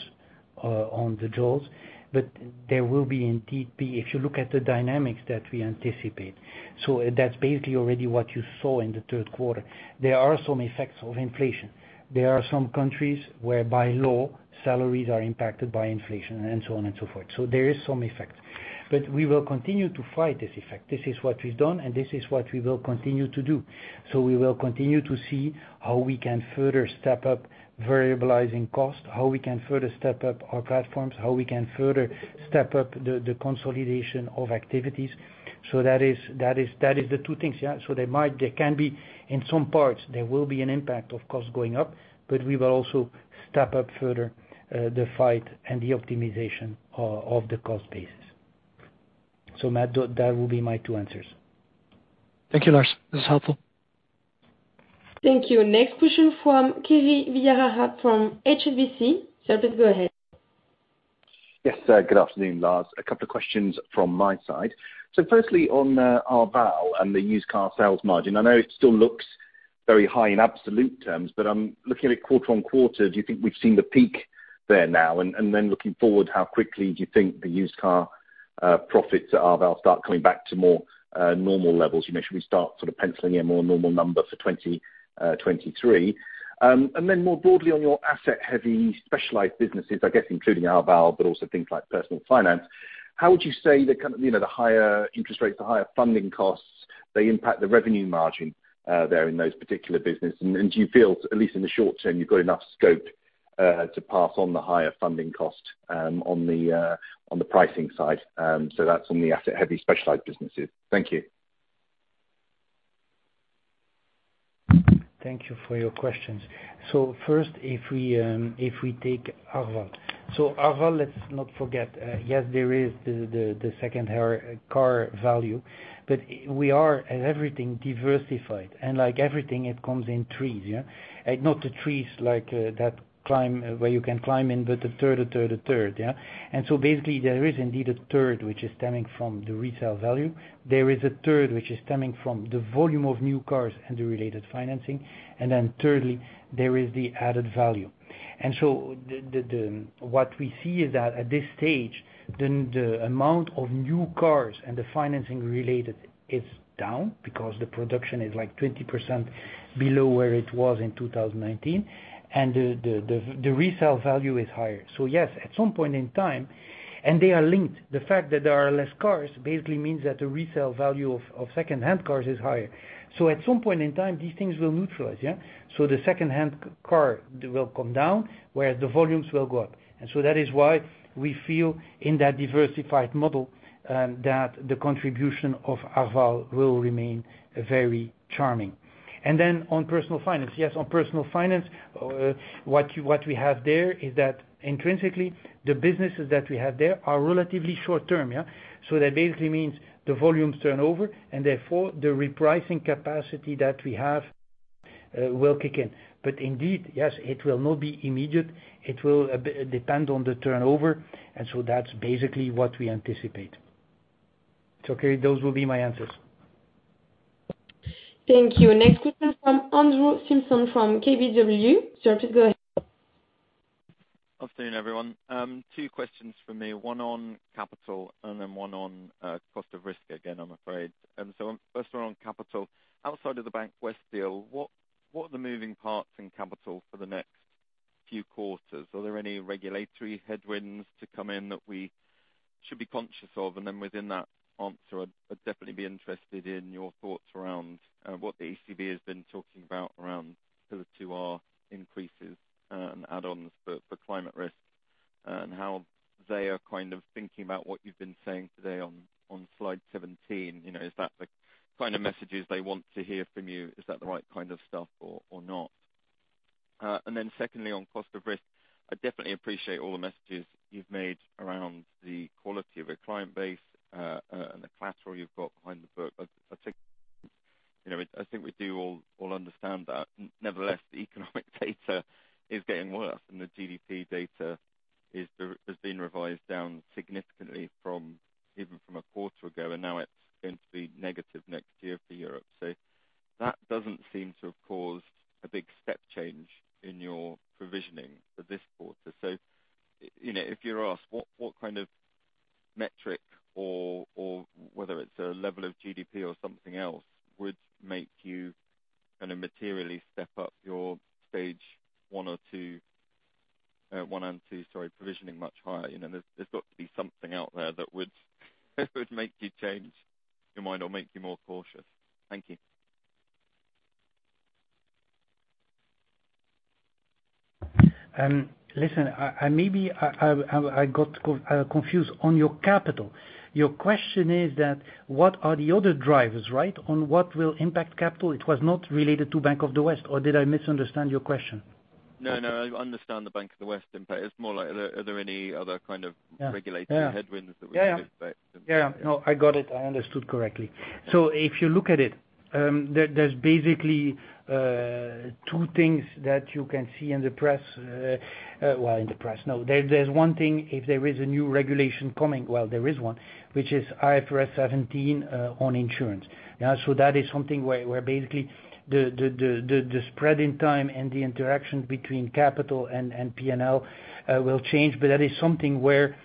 on the jaws, but there will be indeed. If you look at the dynamics that we anticipate, so that's basically already what you saw in the third quarter. There are some effects of inflation. There are some countries where by law, salaries are impacted by inflation and so on and so forth. There is some effect. We will continue to fight this effect. This is what we've done, and this is what we will continue to do. We will continue to see how we can further step up variabilizing costs, how we can further step up our platforms, how we can further step up the consolidation of activities. That is the two things, yeah. There will be in some parts an impact of costs going up, but we will also step up further the fight and the optimization of the cost basis. Matt, that will be my two answers. Thank you, Lars. That's helpful. Thank you. Next question from Kirishanthan Vijayarajah from HSBC. Sir, please go ahead. Yes, good afternoon, Lars. A couple of questions from my side. Firstly on Arval and the used car sales margin, I know it still looks very high in absolute terms, but I'm looking at quarter-on-quarter, do you think we've seen the peak there now? And then looking forward, how quickly do you think the used car profits at Arval start coming back to more normal levels? You know, should we start sort of penciling a more normal number for 2023? And then more broadly on your asset-heavy specialized businesses, I guess including Arval, but also things like personal finance, how would you say the kind of, you know, the higher interest rates, the higher funding costs, they impact the revenue margin there in those particular business? Do you feel, at least in the short term, you've got enough scope to pass on the higher funding cost on the pricing side? That's on the asset-heavy specialized businesses. Thank you. Thank you for your questions. First, if we take Arval. Arval, let's not forget, yes, there is the second-hand car value, but we have everything diversified and like everything, it comes in threes. Not the trees like that climb, where you can climb in, but a third. Basically there is indeed a third which is stemming from the resale value. There is a third which is stemming from the volume of new cars and the related financing. Then thirdly, there is the added value. What we see is that at this stage, the amount of new cars and the related financing is down because the production is like 20% below where it was in 2019, and the resale value is higher. Yes, at some point in time, and they are linked, the fact that there are less cars basically means that the resale value of second-hand cars is higher. At some point in time, these things will neutralize. The second-hand car will come down, whereas the volumes will go up. That is why we feel in that diversified model that the contribution of Arval will remain very charming. On personal finance. Yes, on personal finance, what we have there is that intrinsically, the businesses that we have there are relatively short-term. That basically means the volumes turnover, and therefore the repricing capacity that we have will kick in. Indeed, yes, it will not be immediate. It will depend on the turnover, and so that's basically what we anticipate. Okay, those will be my answers. Thank you. Next question from Andrew Coombs from KBW. Sir, please go ahead. Afternoon, everyone. Two questions from me, one on capital and then one on cost of risk again, I'm afraid. So first one on capital. Outside of the Bank of the West deal, what are the moving parts in capital for the next few quarters? Are there any regulatory headwinds to come in that we should be conscious of? And then within that answer, I'd definitely be interested in your thoughts around what the ECB has been talking about around the P2R increases and add-ons for climate risks, and how they are kind of thinking about what you've been saying today on slide 17. You know, is that the kind of messages they want to hear from you? Is that the right kind of stuff or not? Secondly, on cost of risk, I definitely appreciate all the messages you've made around the quality of a client base and the collateral you've got behind the book. I think, you know, I think we do all understand that. Nevertheless, the economic data is getting worse, and the GDP data has been revised down significantly from even a quarter ago, and now it's going to be negative next year for Europe. That doesn't seem to have caused a big step change in your provisioning for this quarter. You know, if you're asked what kind of metric or whether it's a level of GDP or something else would make you kinda materially step up your stage one or two, one and two, sorry, provisioning much higher. You know, there's got to be something out there that would make you change your mind or make you more cautious. Thank you. Listen, maybe I got confused. On your capital, your question is that what are the other drivers, right? On what will impact capital, it was not related to Bank of the West, or did I misunderstand your question? No, no, I understand the Bank of the West impact. It's more like, are there any other kind of- Yeah. Regulatory headwinds that we should expect? Yeah. No, I got it. I understood correctly. If you look at it, there's basically two things that you can see in the press. Well, in the press, no. There's one thing, if there is a new regulation coming, well, there is one, which is IFRS 17 on insurance. Yeah, so that is something where basically the spread in time and the interaction between capital and P&L will change, but that is something where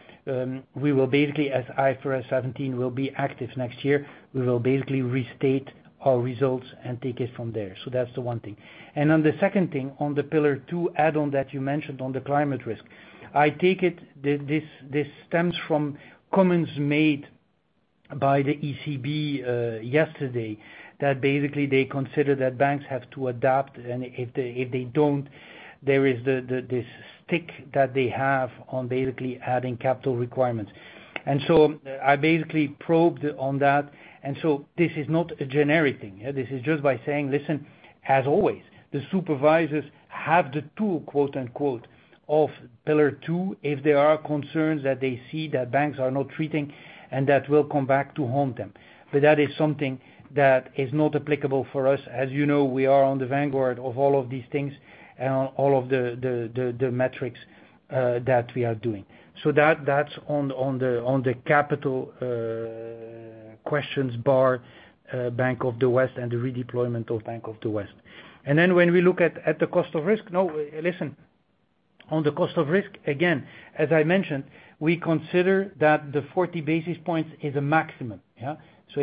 we will basically, as IFRS 17 will be active next year, we will basically restate our results and take it from there. That's the one thing. On the second thing, on the Pillar 2 add-on that you mentioned on the climate risk, I take it this stems from comments made by the ECB yesterday, that basically they consider that banks have to adapt, and if they don't, there is the stick that they have on basically adding capital requirements. I basically probed on that, and this is not a generic thing. This is just by saying, listen, as always, the supervisors have the tool, quote-unquote, of Pillar 2, if there are concerns that they see that banks are not treating and that will come back to haunt them. But that is something that is not applicable for us. As you know, we are on the vanguard of all of these things and all of the metrics that we are doing. That’s on the capital, Bank of the West and the redeployment of Bank of the West. Then when we look at the cost of risk, listen, on the cost of risk, again, as I mentioned, we consider that the 40 basis points is a maximum, yeah.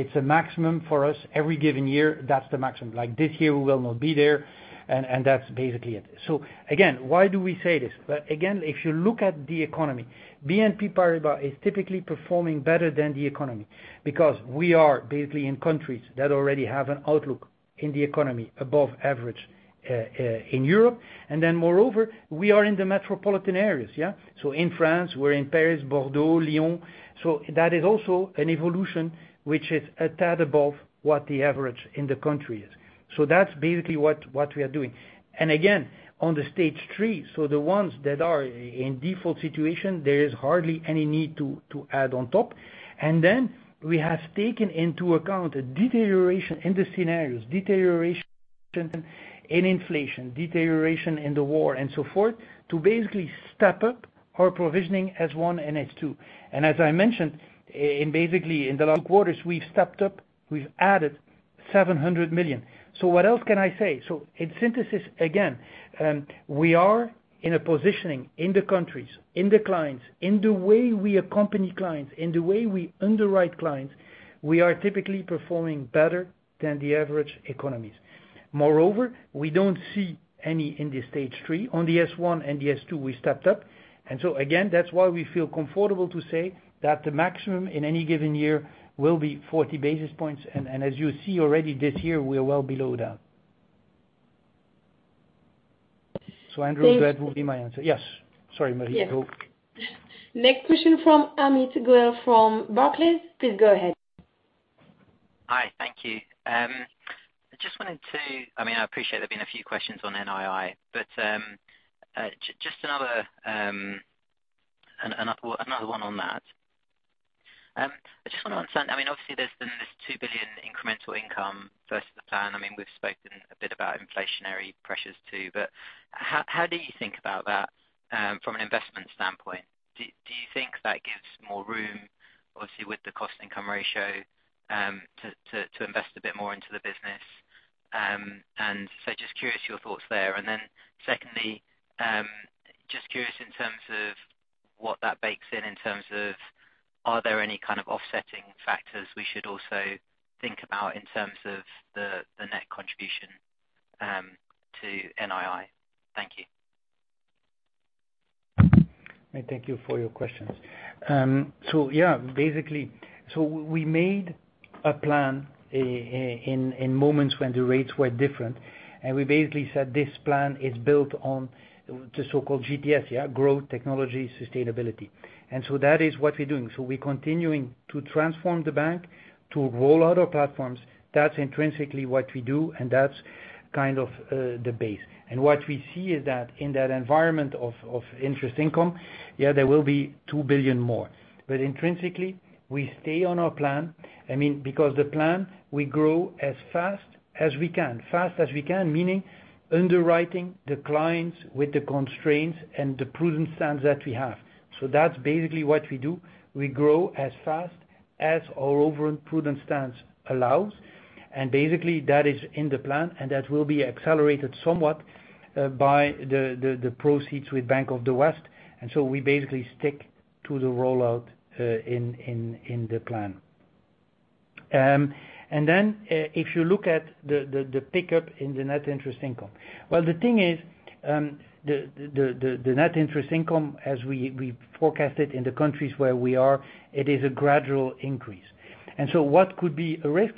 It’s a maximum for us every given year, that’s the maximum. Like this year, we will not be there, and that’s basically it. Again, why do we say this? Again, if you look at the economy, BNP Paribas is typically performing better than the economy because we are basically in countries that already have an outlook in the economy above average in Europe. Then moreover, we are in the metropolitan areas, yeah. In France, we’re in Paris, Bordeaux, Lyon. That is also an evolution which is a tad above what the average in the country is. That's basically what we are doing. Again, on the Stage 3, the ones that are in default situation, there is hardly any need to add on top. Then we have taken into account a deterioration in the scenarios, deterioration in inflation, deterioration in the war, and so forth, to basically step up our provisioning Stage 1 and Stage 2. As I mentioned, in basically in the last quarters, we've stepped up, we've added 700 million. What else can I say? In synthesis, again, we are in a positioning in the countries, in the clients, in the way we accompany clients, in the way we underwrite clients, we are typically performing better than the average economies. Moreover, we don't see any in the Stage 3. On the Stage 1 and the Stage 2, we stepped up. Again, that's why we feel comfortable to say that the maximum in any given year will be 40 basis points. As you see already this year, we are well below that. Andrew, that will be my answer. Yes. Sorry, Marie. Go. Next question from Amit Goel from Barclays. Please go ahead. Hi. Thank you. I mean, I appreciate there's been a few questions on NII, but just another one on that. I just wanna understand, I mean, obviously there's been this 2 billion incremental income versus the plan. I mean, we've spoken a bit about inflationary pressures too, but how do you think about that from an investment standpoint? Do you think that gives more room, obviously, with the cost income ratio, to invest a bit more into the business? Just curious your thoughts there. Then secondly, just curious in terms of what that bakes in terms of are there any kind of offsetting factors we should also think about in terms of the net contribution to NII? Thank you. Thank you for your questions. Yeah, basically, we made a plan in moments when the rates were different, and we basically said this plan is built on the so-called GTS. Yeah. Growth, technology, sustainability. That is what we're doing. We're continuing to transform the bank to roll out our platforms. That's intrinsically what we do, and that's kind of the base. What we see is that in that environment of interest income, there will be 2 billion more. Intrinsically, we stay on our plan. I mean, because the plan, we grow as fast as we can, meaning underwriting the clients with the constraints and the prudent stance that we have. That's basically what we do. We grow as fast as our overall prudent stance allows, and basically that is in the plan, and that will be accelerated somewhat by the proceeds with Bank of the West. We basically stick to the rollout in the plan. If you look at the pickup in the net interest income. Well, the thing is, the net interest income as we forecast it in the countries where we are, it is a gradual increase. What could be a risk,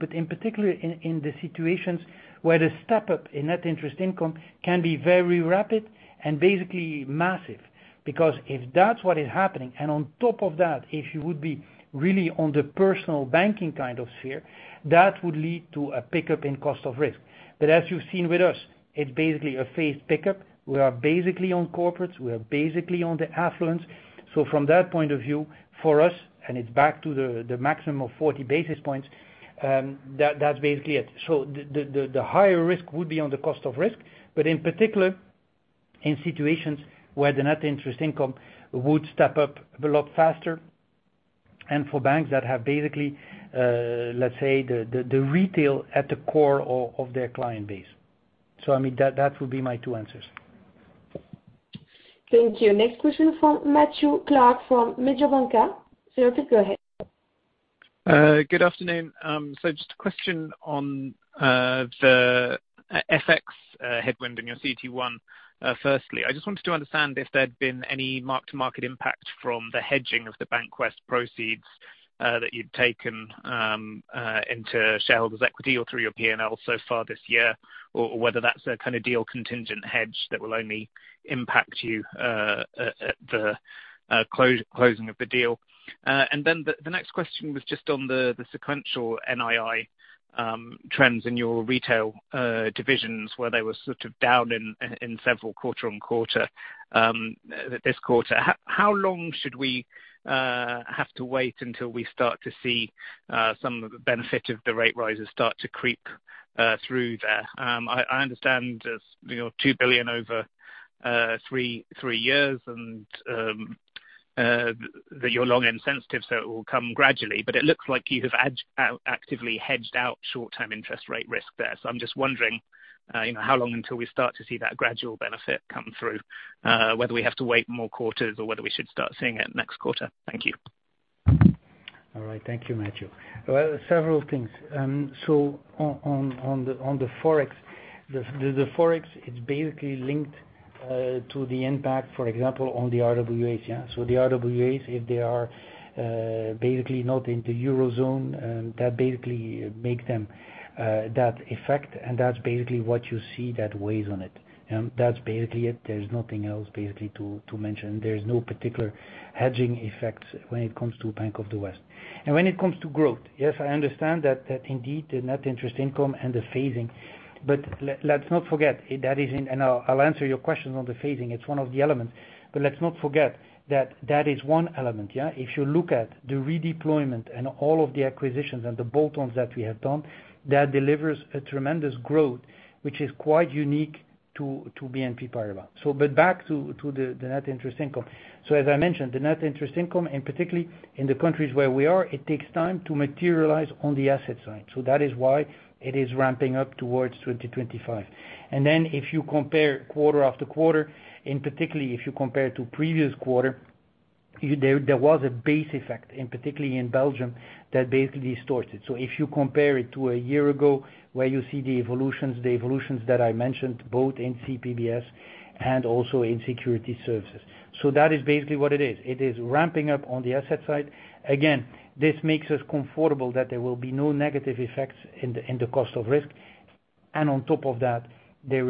but in particular in the situations where the step up in net interest income can be very rapid and basically massive. Because if that's what is happening, and on top of that, if you would be really on the personal banking kind of sphere, that would lead to a pickup in cost of risk. As you've seen with us, it's basically a phased pickup. We are basically on corporates. We are basically on the affluent. From that point of view, for us, and it's back to the maximum of 40 basis points, that's basically it. The higher risk would be on the cost of risk, but in particular, in situations where the net interest income would step up a lot faster, and for banks that have basically, let's say, the retail at the core of their client base. I mean, that would be my two answers. Thank you. Next question from Matthew Clark, from Mediobanca. Sir, go ahead. Good afternoon. Just a question on the FX headwind in your CET1, firstly. I just wanted to understand if there'd been any mark-to-market impact from the hedging of the Bank of the West proceeds that you'd taken into shareholders' equity or through your P&L so far this year, or whether that's a kinda deal contingent hedge that will only impact you at the closing of the deal. The next question was just on the sequential NII trends in your retail divisions, where they were sort of down in several quarter-over-quarter this quarter. How long should we have to wait until we start to see some of the benefit of the rate rises start to creep through there? I understand there's, you know, 2 billion over 3 years and that you're long and sensitive, so it will come gradually, but it looks like you have actively hedged out short-term interest rate risk there. I'm just wondering, you know, how long until we start to see that gradual benefit come through, whether we have to wait more quarters or whether we should start seeing it next quarter. Thank you. All right. Thank you, Matthew. Well, several things. On the Forex, the Forex is basically linked to the impact, for example, on the RWAs. Yeah. The RWAs, if they are basically not in the Eurozone, that basically makes the effect, and that's basically what you see that weighs on it. That's basically it. There's nothing else basically to mention. There's no particular hedging effects when it comes to Bank of the West. When it comes to growth, yes, I understand that indeed the net interest income and the phasing. I'll answer your question on the phasing. It's one of the elements, but let's not forget that is one element, yeah. If you look at the redeployment and all of the acquisitions and the bolt-ons that we have done, that delivers a tremendous growth, which is quite unique to BNP Paribas. But back to the net interest income. As I mentioned, the net interest income, and particularly in the countries where we are, it takes time to materialize on the asset side. That is why it is ramping up towards 2025. If you compare quarter after quarter, and particularly if you compare to previous quarter, you, there was a base effect, and particularly in Belgium, that basically distorts it. If you compare it to a year ago where you see the evolutions that I mentioned both in CPBS and also in security services. That is basically what it is. It is ramping up on the asset side. Again, this makes us comfortable that there will be no negative effects in the cost of risk. On top of that, there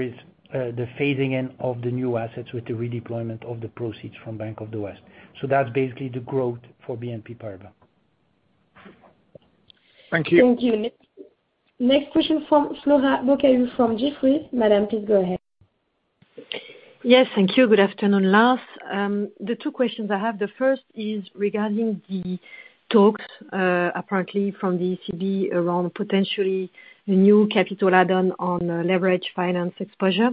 is the phasing in of the new assets with the redeployment of the proceeds from Bank of the West. That's basically the growth for BNP Paribas. Thank you. Thank you. Next question from Flora Bocahut from Jefferies. Madam, please go ahead. Yes, thank you. Good afternoon, Lars. The two questions I have, the first is regarding the talks, apparently from the ECB around potentially the new capital add-on on leverage finance exposure.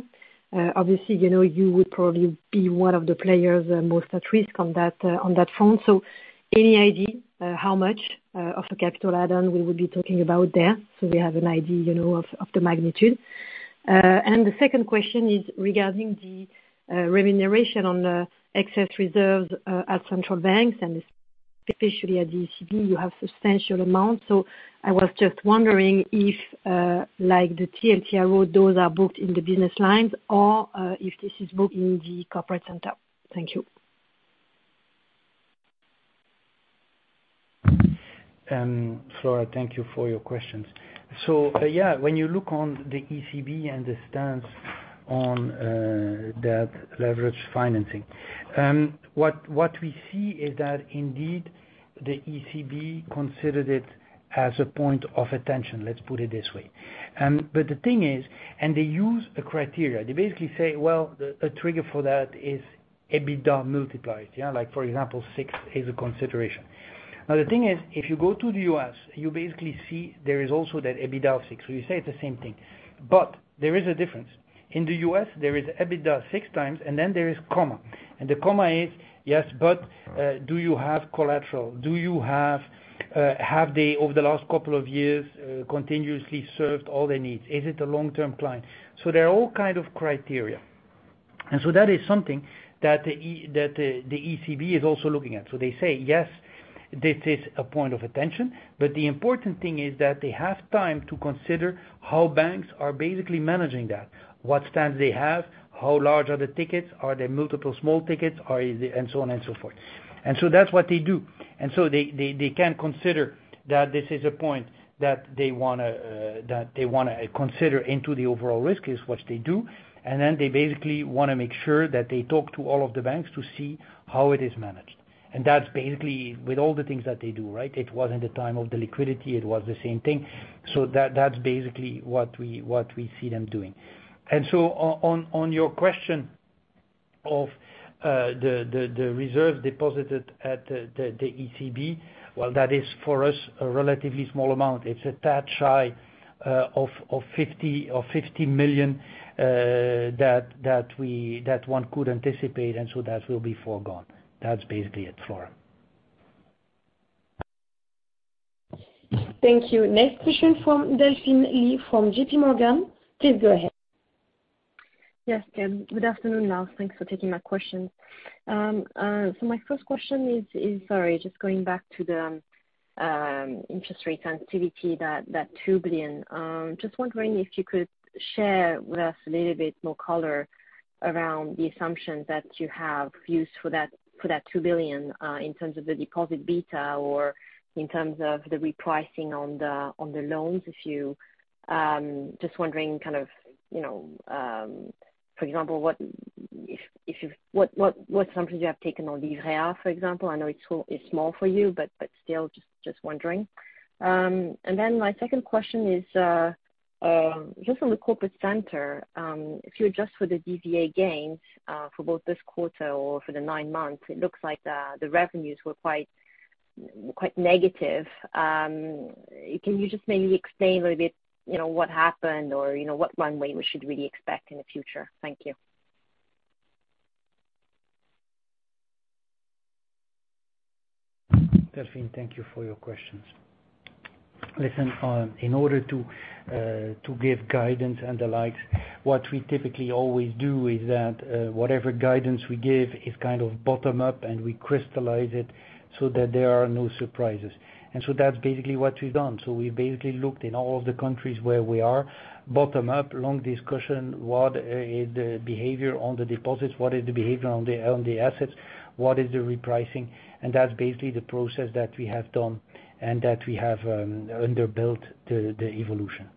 Obviously, you know, you would probably be one of the players most at risk on that front. Any idea how much of a capital add-on we would be talking about there so we have an idea, you know, of the magnitude? The second question is regarding the remuneration on the excess reserves at central banks, and especially at the ECB, you have substantial amounts. I was just wondering if, like the TLTRO, those are booked in the business lines or if this is booked in the corporate center. Thank you. Flora, thank you for your questions. Yeah, when you look at the ECB and the stance on that leveraged financing, what we see is that indeed the ECB considered it as a point of attention, let's put it this way. But the thing is, they use a criterion. They basically say, well, a trigger for that is EBITDA multipliers. Yeah. Like for example, 6x is a consideration. Now the thing is, if you go to the U.S., you basically see there is also that EBITDA 6x. So you say it's the same thing, but there is a difference. In the U.S. there is EBITDA 6x, and then there is comma. And the comma is, yes, but do you have collateral? Do you have they over the last couple of years continuously served all the needs? Is it a long-term client? There are all kind of criteria. That is something that the ECB is also looking at. They say, yes, this is a point of attention, but the important thing is that they have time to consider how banks are basically managing that, what stance they have, how large are the tickets, are there multiple small tickets, and so on and so forth. That's what they do. They can consider that this is a point that they wanna consider into the overall risk is what they do. Then they basically wanna make sure that they talk to all of the banks to see how it is managed. That's basically with all the things that they do, right? It was in the time of the liquidity, it was the same thing. That's basically what we see them doing. On your question of the reserve deposited at the ECB, well, that is for us a relatively small amount. It's a touch high of EUR 50 million that one could anticipate, and that will be foregone. That's basically it, Flora. Thank you. Next question from Delphine Lee from J.P. Morgan. Please go ahead. Yes. Good afternoon, Lars. Thanks for taking my questions. My first question is, sorry, just going back to the interest rate sensitivity that 2 billion. Just wondering if you could share with us a little bit more color around the assumptions that you have used for that 2 billion in terms of the deposit beta or in terms of the repricing on the loans. Just wondering kind of, you know, for example, what assumptions you have taken on Livret A, for example. I know it's small for you, but still just wondering. My second question is just on the corporate center, if you adjust for the DVA gains, for both this quarter or for the nine months, it looks like the revenues were quite negative. Can you just maybe explain a little bit, you know, what happened or, you know, what runway we should really expect in the future? Thank you. Delphine, thank you for your questions. Listen, in order to to give guidance and the like, what we typically always do is that, whatever guidance we give is kind of bottom-up, and we crystallize it so that there are no surprises. That's basically what we've done. We basically looked in all of the countries where we are, bottom up, long discussion, what is the behavior on the deposits, what is the behavior on the assets, what is the repricing, and that's basically the process that we have done and that we have underbuilt the evolution.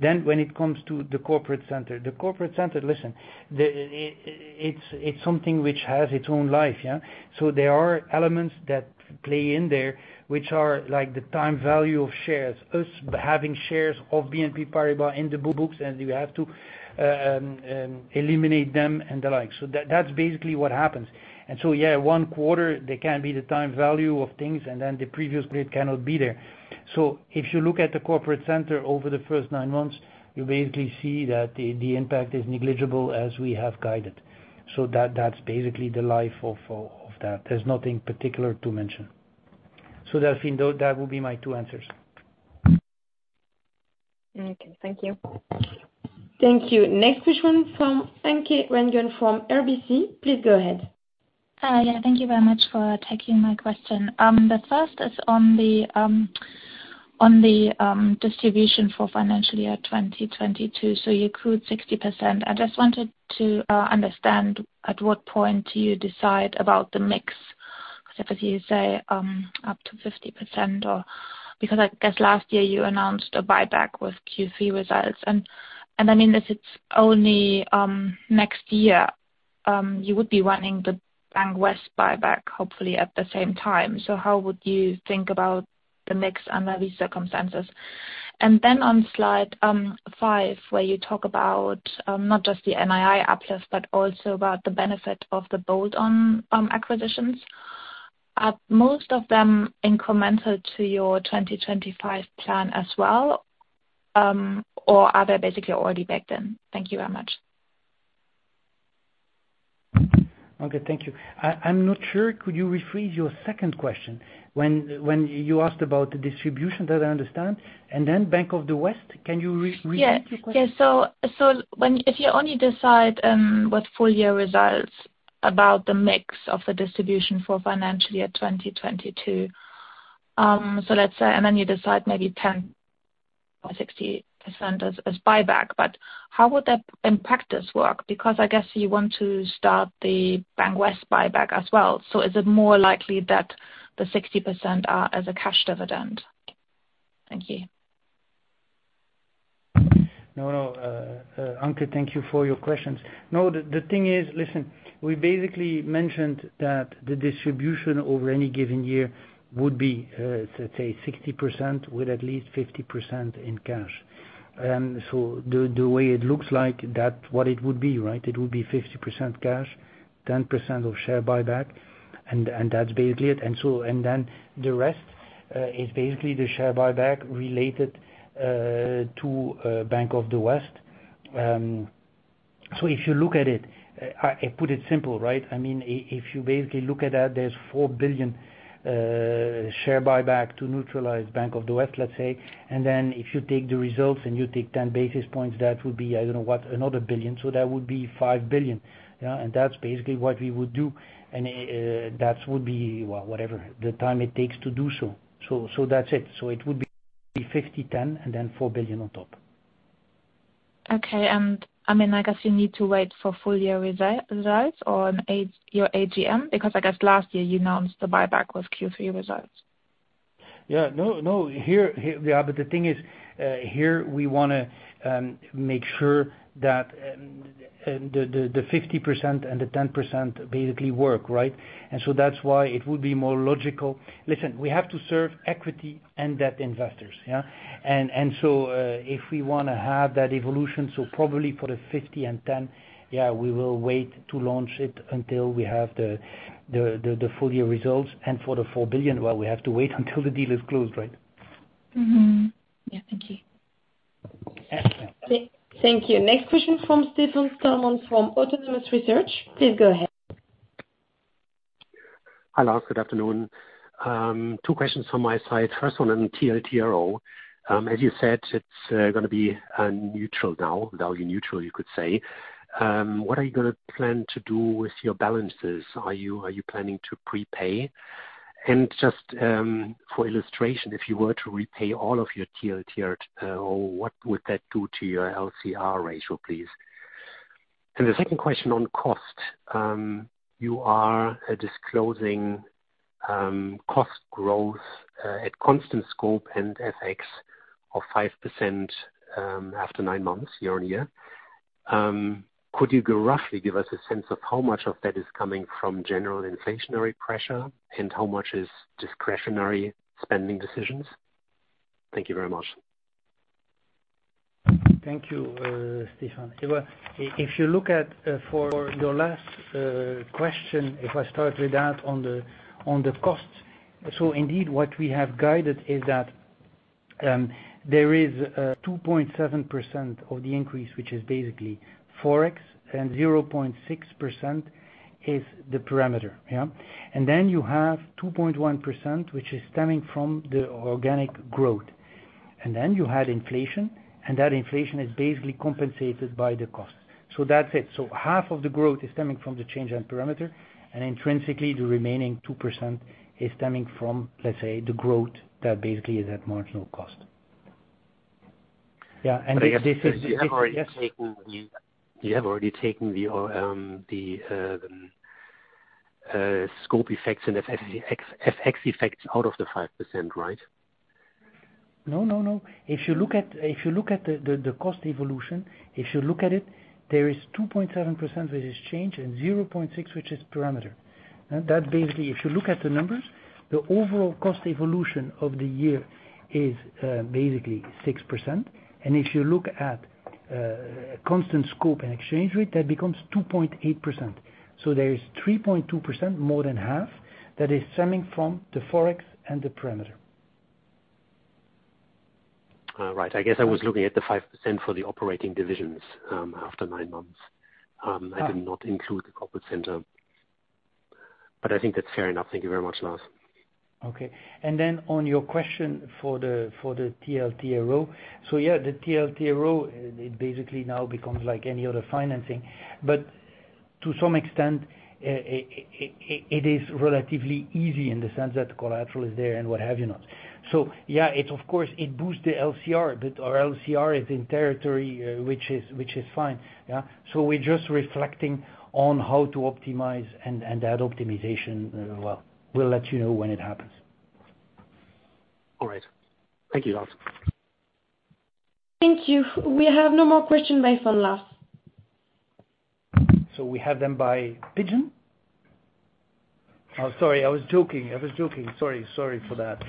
When it comes to the corporate center, listen, it's something which has its own life, yeah? There are elements that play in there which are like the time value of shares. us having shares of BNP Paribas in the books, and you have to eliminate them and the like. That's basically what happens. Yeah, one quarter there can be the time value of things, and then the previous bid cannot be there. If you look at the corporate center over the first nine months, you basically see that the impact is negligible as we have guided. That's basically the life of that. There's nothing particular to mention. Delphine, though, that will be my two answers. Okay, thank you. Thank you. Next question from Anke Reingen from RBC, please go ahead. Yeah. Thank you very much for taking my question. The first is on the distribution for financial year 2022, so you accrued 60%. I just wanted to understand at what point do you decide about the mix, if as you say up to 50% or because I guess last year you announced a buyback with Q3 results, and I mean, if it's only next year you would be running the Bank of the West buyback hopefully at the same time. How would you think about the mix under these circumstances? On slide 5, where you talk about not just the NII uplift but also about the benefit of the bolt-on acquisitions. Are most of them incremental to your 2025 plan as well, or are they basically already baked in? Thank you very much. Okay, thank you. I'm not sure. Could you rephrase your second question? When you asked about the distribution, that I understand, and then Bank of the West. Can you repeat your question? If you only decide with full year results about the mix of the distribution for financial year 2022, let's say, and then you decide maybe 10% or 60% as buyback, but how would that in practice work? Because I guess you want to start the Bank of the West buyback as well. Is it more likely that the 60% are as a cash dividend? Thank you. No, no. Anke, thank you for your questions. No, the thing is, listen, we basically mentioned that the distribution over any given year would be, let's say 60% with at least 50% in cash. So the way it looks like, that's what it would be, right? It would be 50% cash, 10% of share buyback, and that's basically it. The rest is basically the share buyback related to Bank of the West. So if you look at it, I put it simple, right? I mean, if you basically look at that, there's 4 billion share buyback to neutralize Bank of the West, let's say. If you take the results and you take 10 basis points, that would be, I don't know what, 1 billion, so that would be 5 billion. Yeah, that's basically what we would do. That would be whatever the time it takes to do so. That's it. It would be 50, 10, and then 4 billion on top. Okay, I mean, I guess you need to wait for full year results or your AGM, because I guess last year you announced the buyback with Q3 results. Yeah, but the thing is, here we want to make sure that the 50% and the 10% basically work, right? That's why it would be more logical. Listen, we have to serve equity and debt investors, yeah? If we want to have that evolution, probably for the 50% and 10%, yeah, we will wait to launch it until we have the full-year results. For the 4 billion, well, we have to wait until the deal is closed, right? Yeah. Thank you. Excellent. Thank you. Next question from Stefan Stalmann from Autonomous Research. Please go ahead. Hi Lars, good afternoon. Two questions from my side. First one on TLTRO. As you said, it's gonna be neutral now, value neutral you could say. What are you gonna plan to do with your balances? Are you planning to prepay? Just for illustration, if you were to repay all of your TLTRO, what would that do to your LCR ratio, please? The second question on cost. You are disclosing cost growth at constant scope and FX of 5%, after nine months year-over-year. Could you roughly give us a sense of how much of that is coming from general inflationary pressure, and how much is discretionary spending decisions? Thank you very much. Thank you, Stefan. Well, if you look at for your last question, if I start with that on the costs. Indeed, what we have guided is that there is 2.7% of the increase, which is basically Forex, and 0.6% is the parameter, yeah. Then you have 2.1%, which is stemming from the organic growth. You had inflation, and that inflation is basically compensated by the cost. That's it. Half of the growth is stemming from the change in parameter, and intrinsically the remaining 2% is stemming from, let's say, the growth that basically is at marginal cost. Yeah, and this is. I guess, you have already taken the scope effects and FX effects out of the 5%, right? No. If you look at the cost evolution, there is 2.7% which is change and 0.6 which is perimeter. Now that basically, if you look at the numbers, the overall cost evolution of the year is basically 6%. If you look at constant scope and exchange rate, that becomes 2.8%. There is 3.2% more than half that is stemming from the Forex and the perimeter. All right. I guess I was looking at the 5% for the operating divisions, after nine months. I did not include the corporate center, but I think that's fair enough. Thank you very much, Lars. Okay. On your question for the TLTRO. Yeah, the TLTRO, it basically now becomes like any other financing. To some extent, it is relatively easy in the sense that the collateral is there and what have you not. Yeah, it's of course, it boosts the LCR, but our LCR is in territory, which is fine. Yeah. We're just reflecting on how to optimize and add optimization. Well, we'll let you know when it happens. All right. Thank you, Lars. Thank you. We have no more question by phone, Lars. We have them by pigeon? Oh, sorry, I was joking. Sorry for that.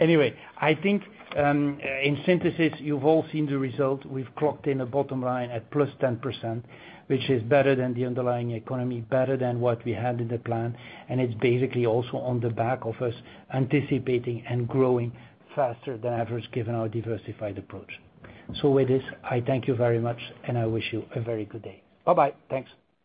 Anyway, I think, in synthesis, you've all seen the result. We've clocked in a bottom line at +10%, which is better than the underlying economy, better than what we had in the plan. It's basically also on the back of us anticipating and growing faster than average given our diversified approach. With this, I thank you very much, and I wish you a very good day. Bye-bye. Thanks.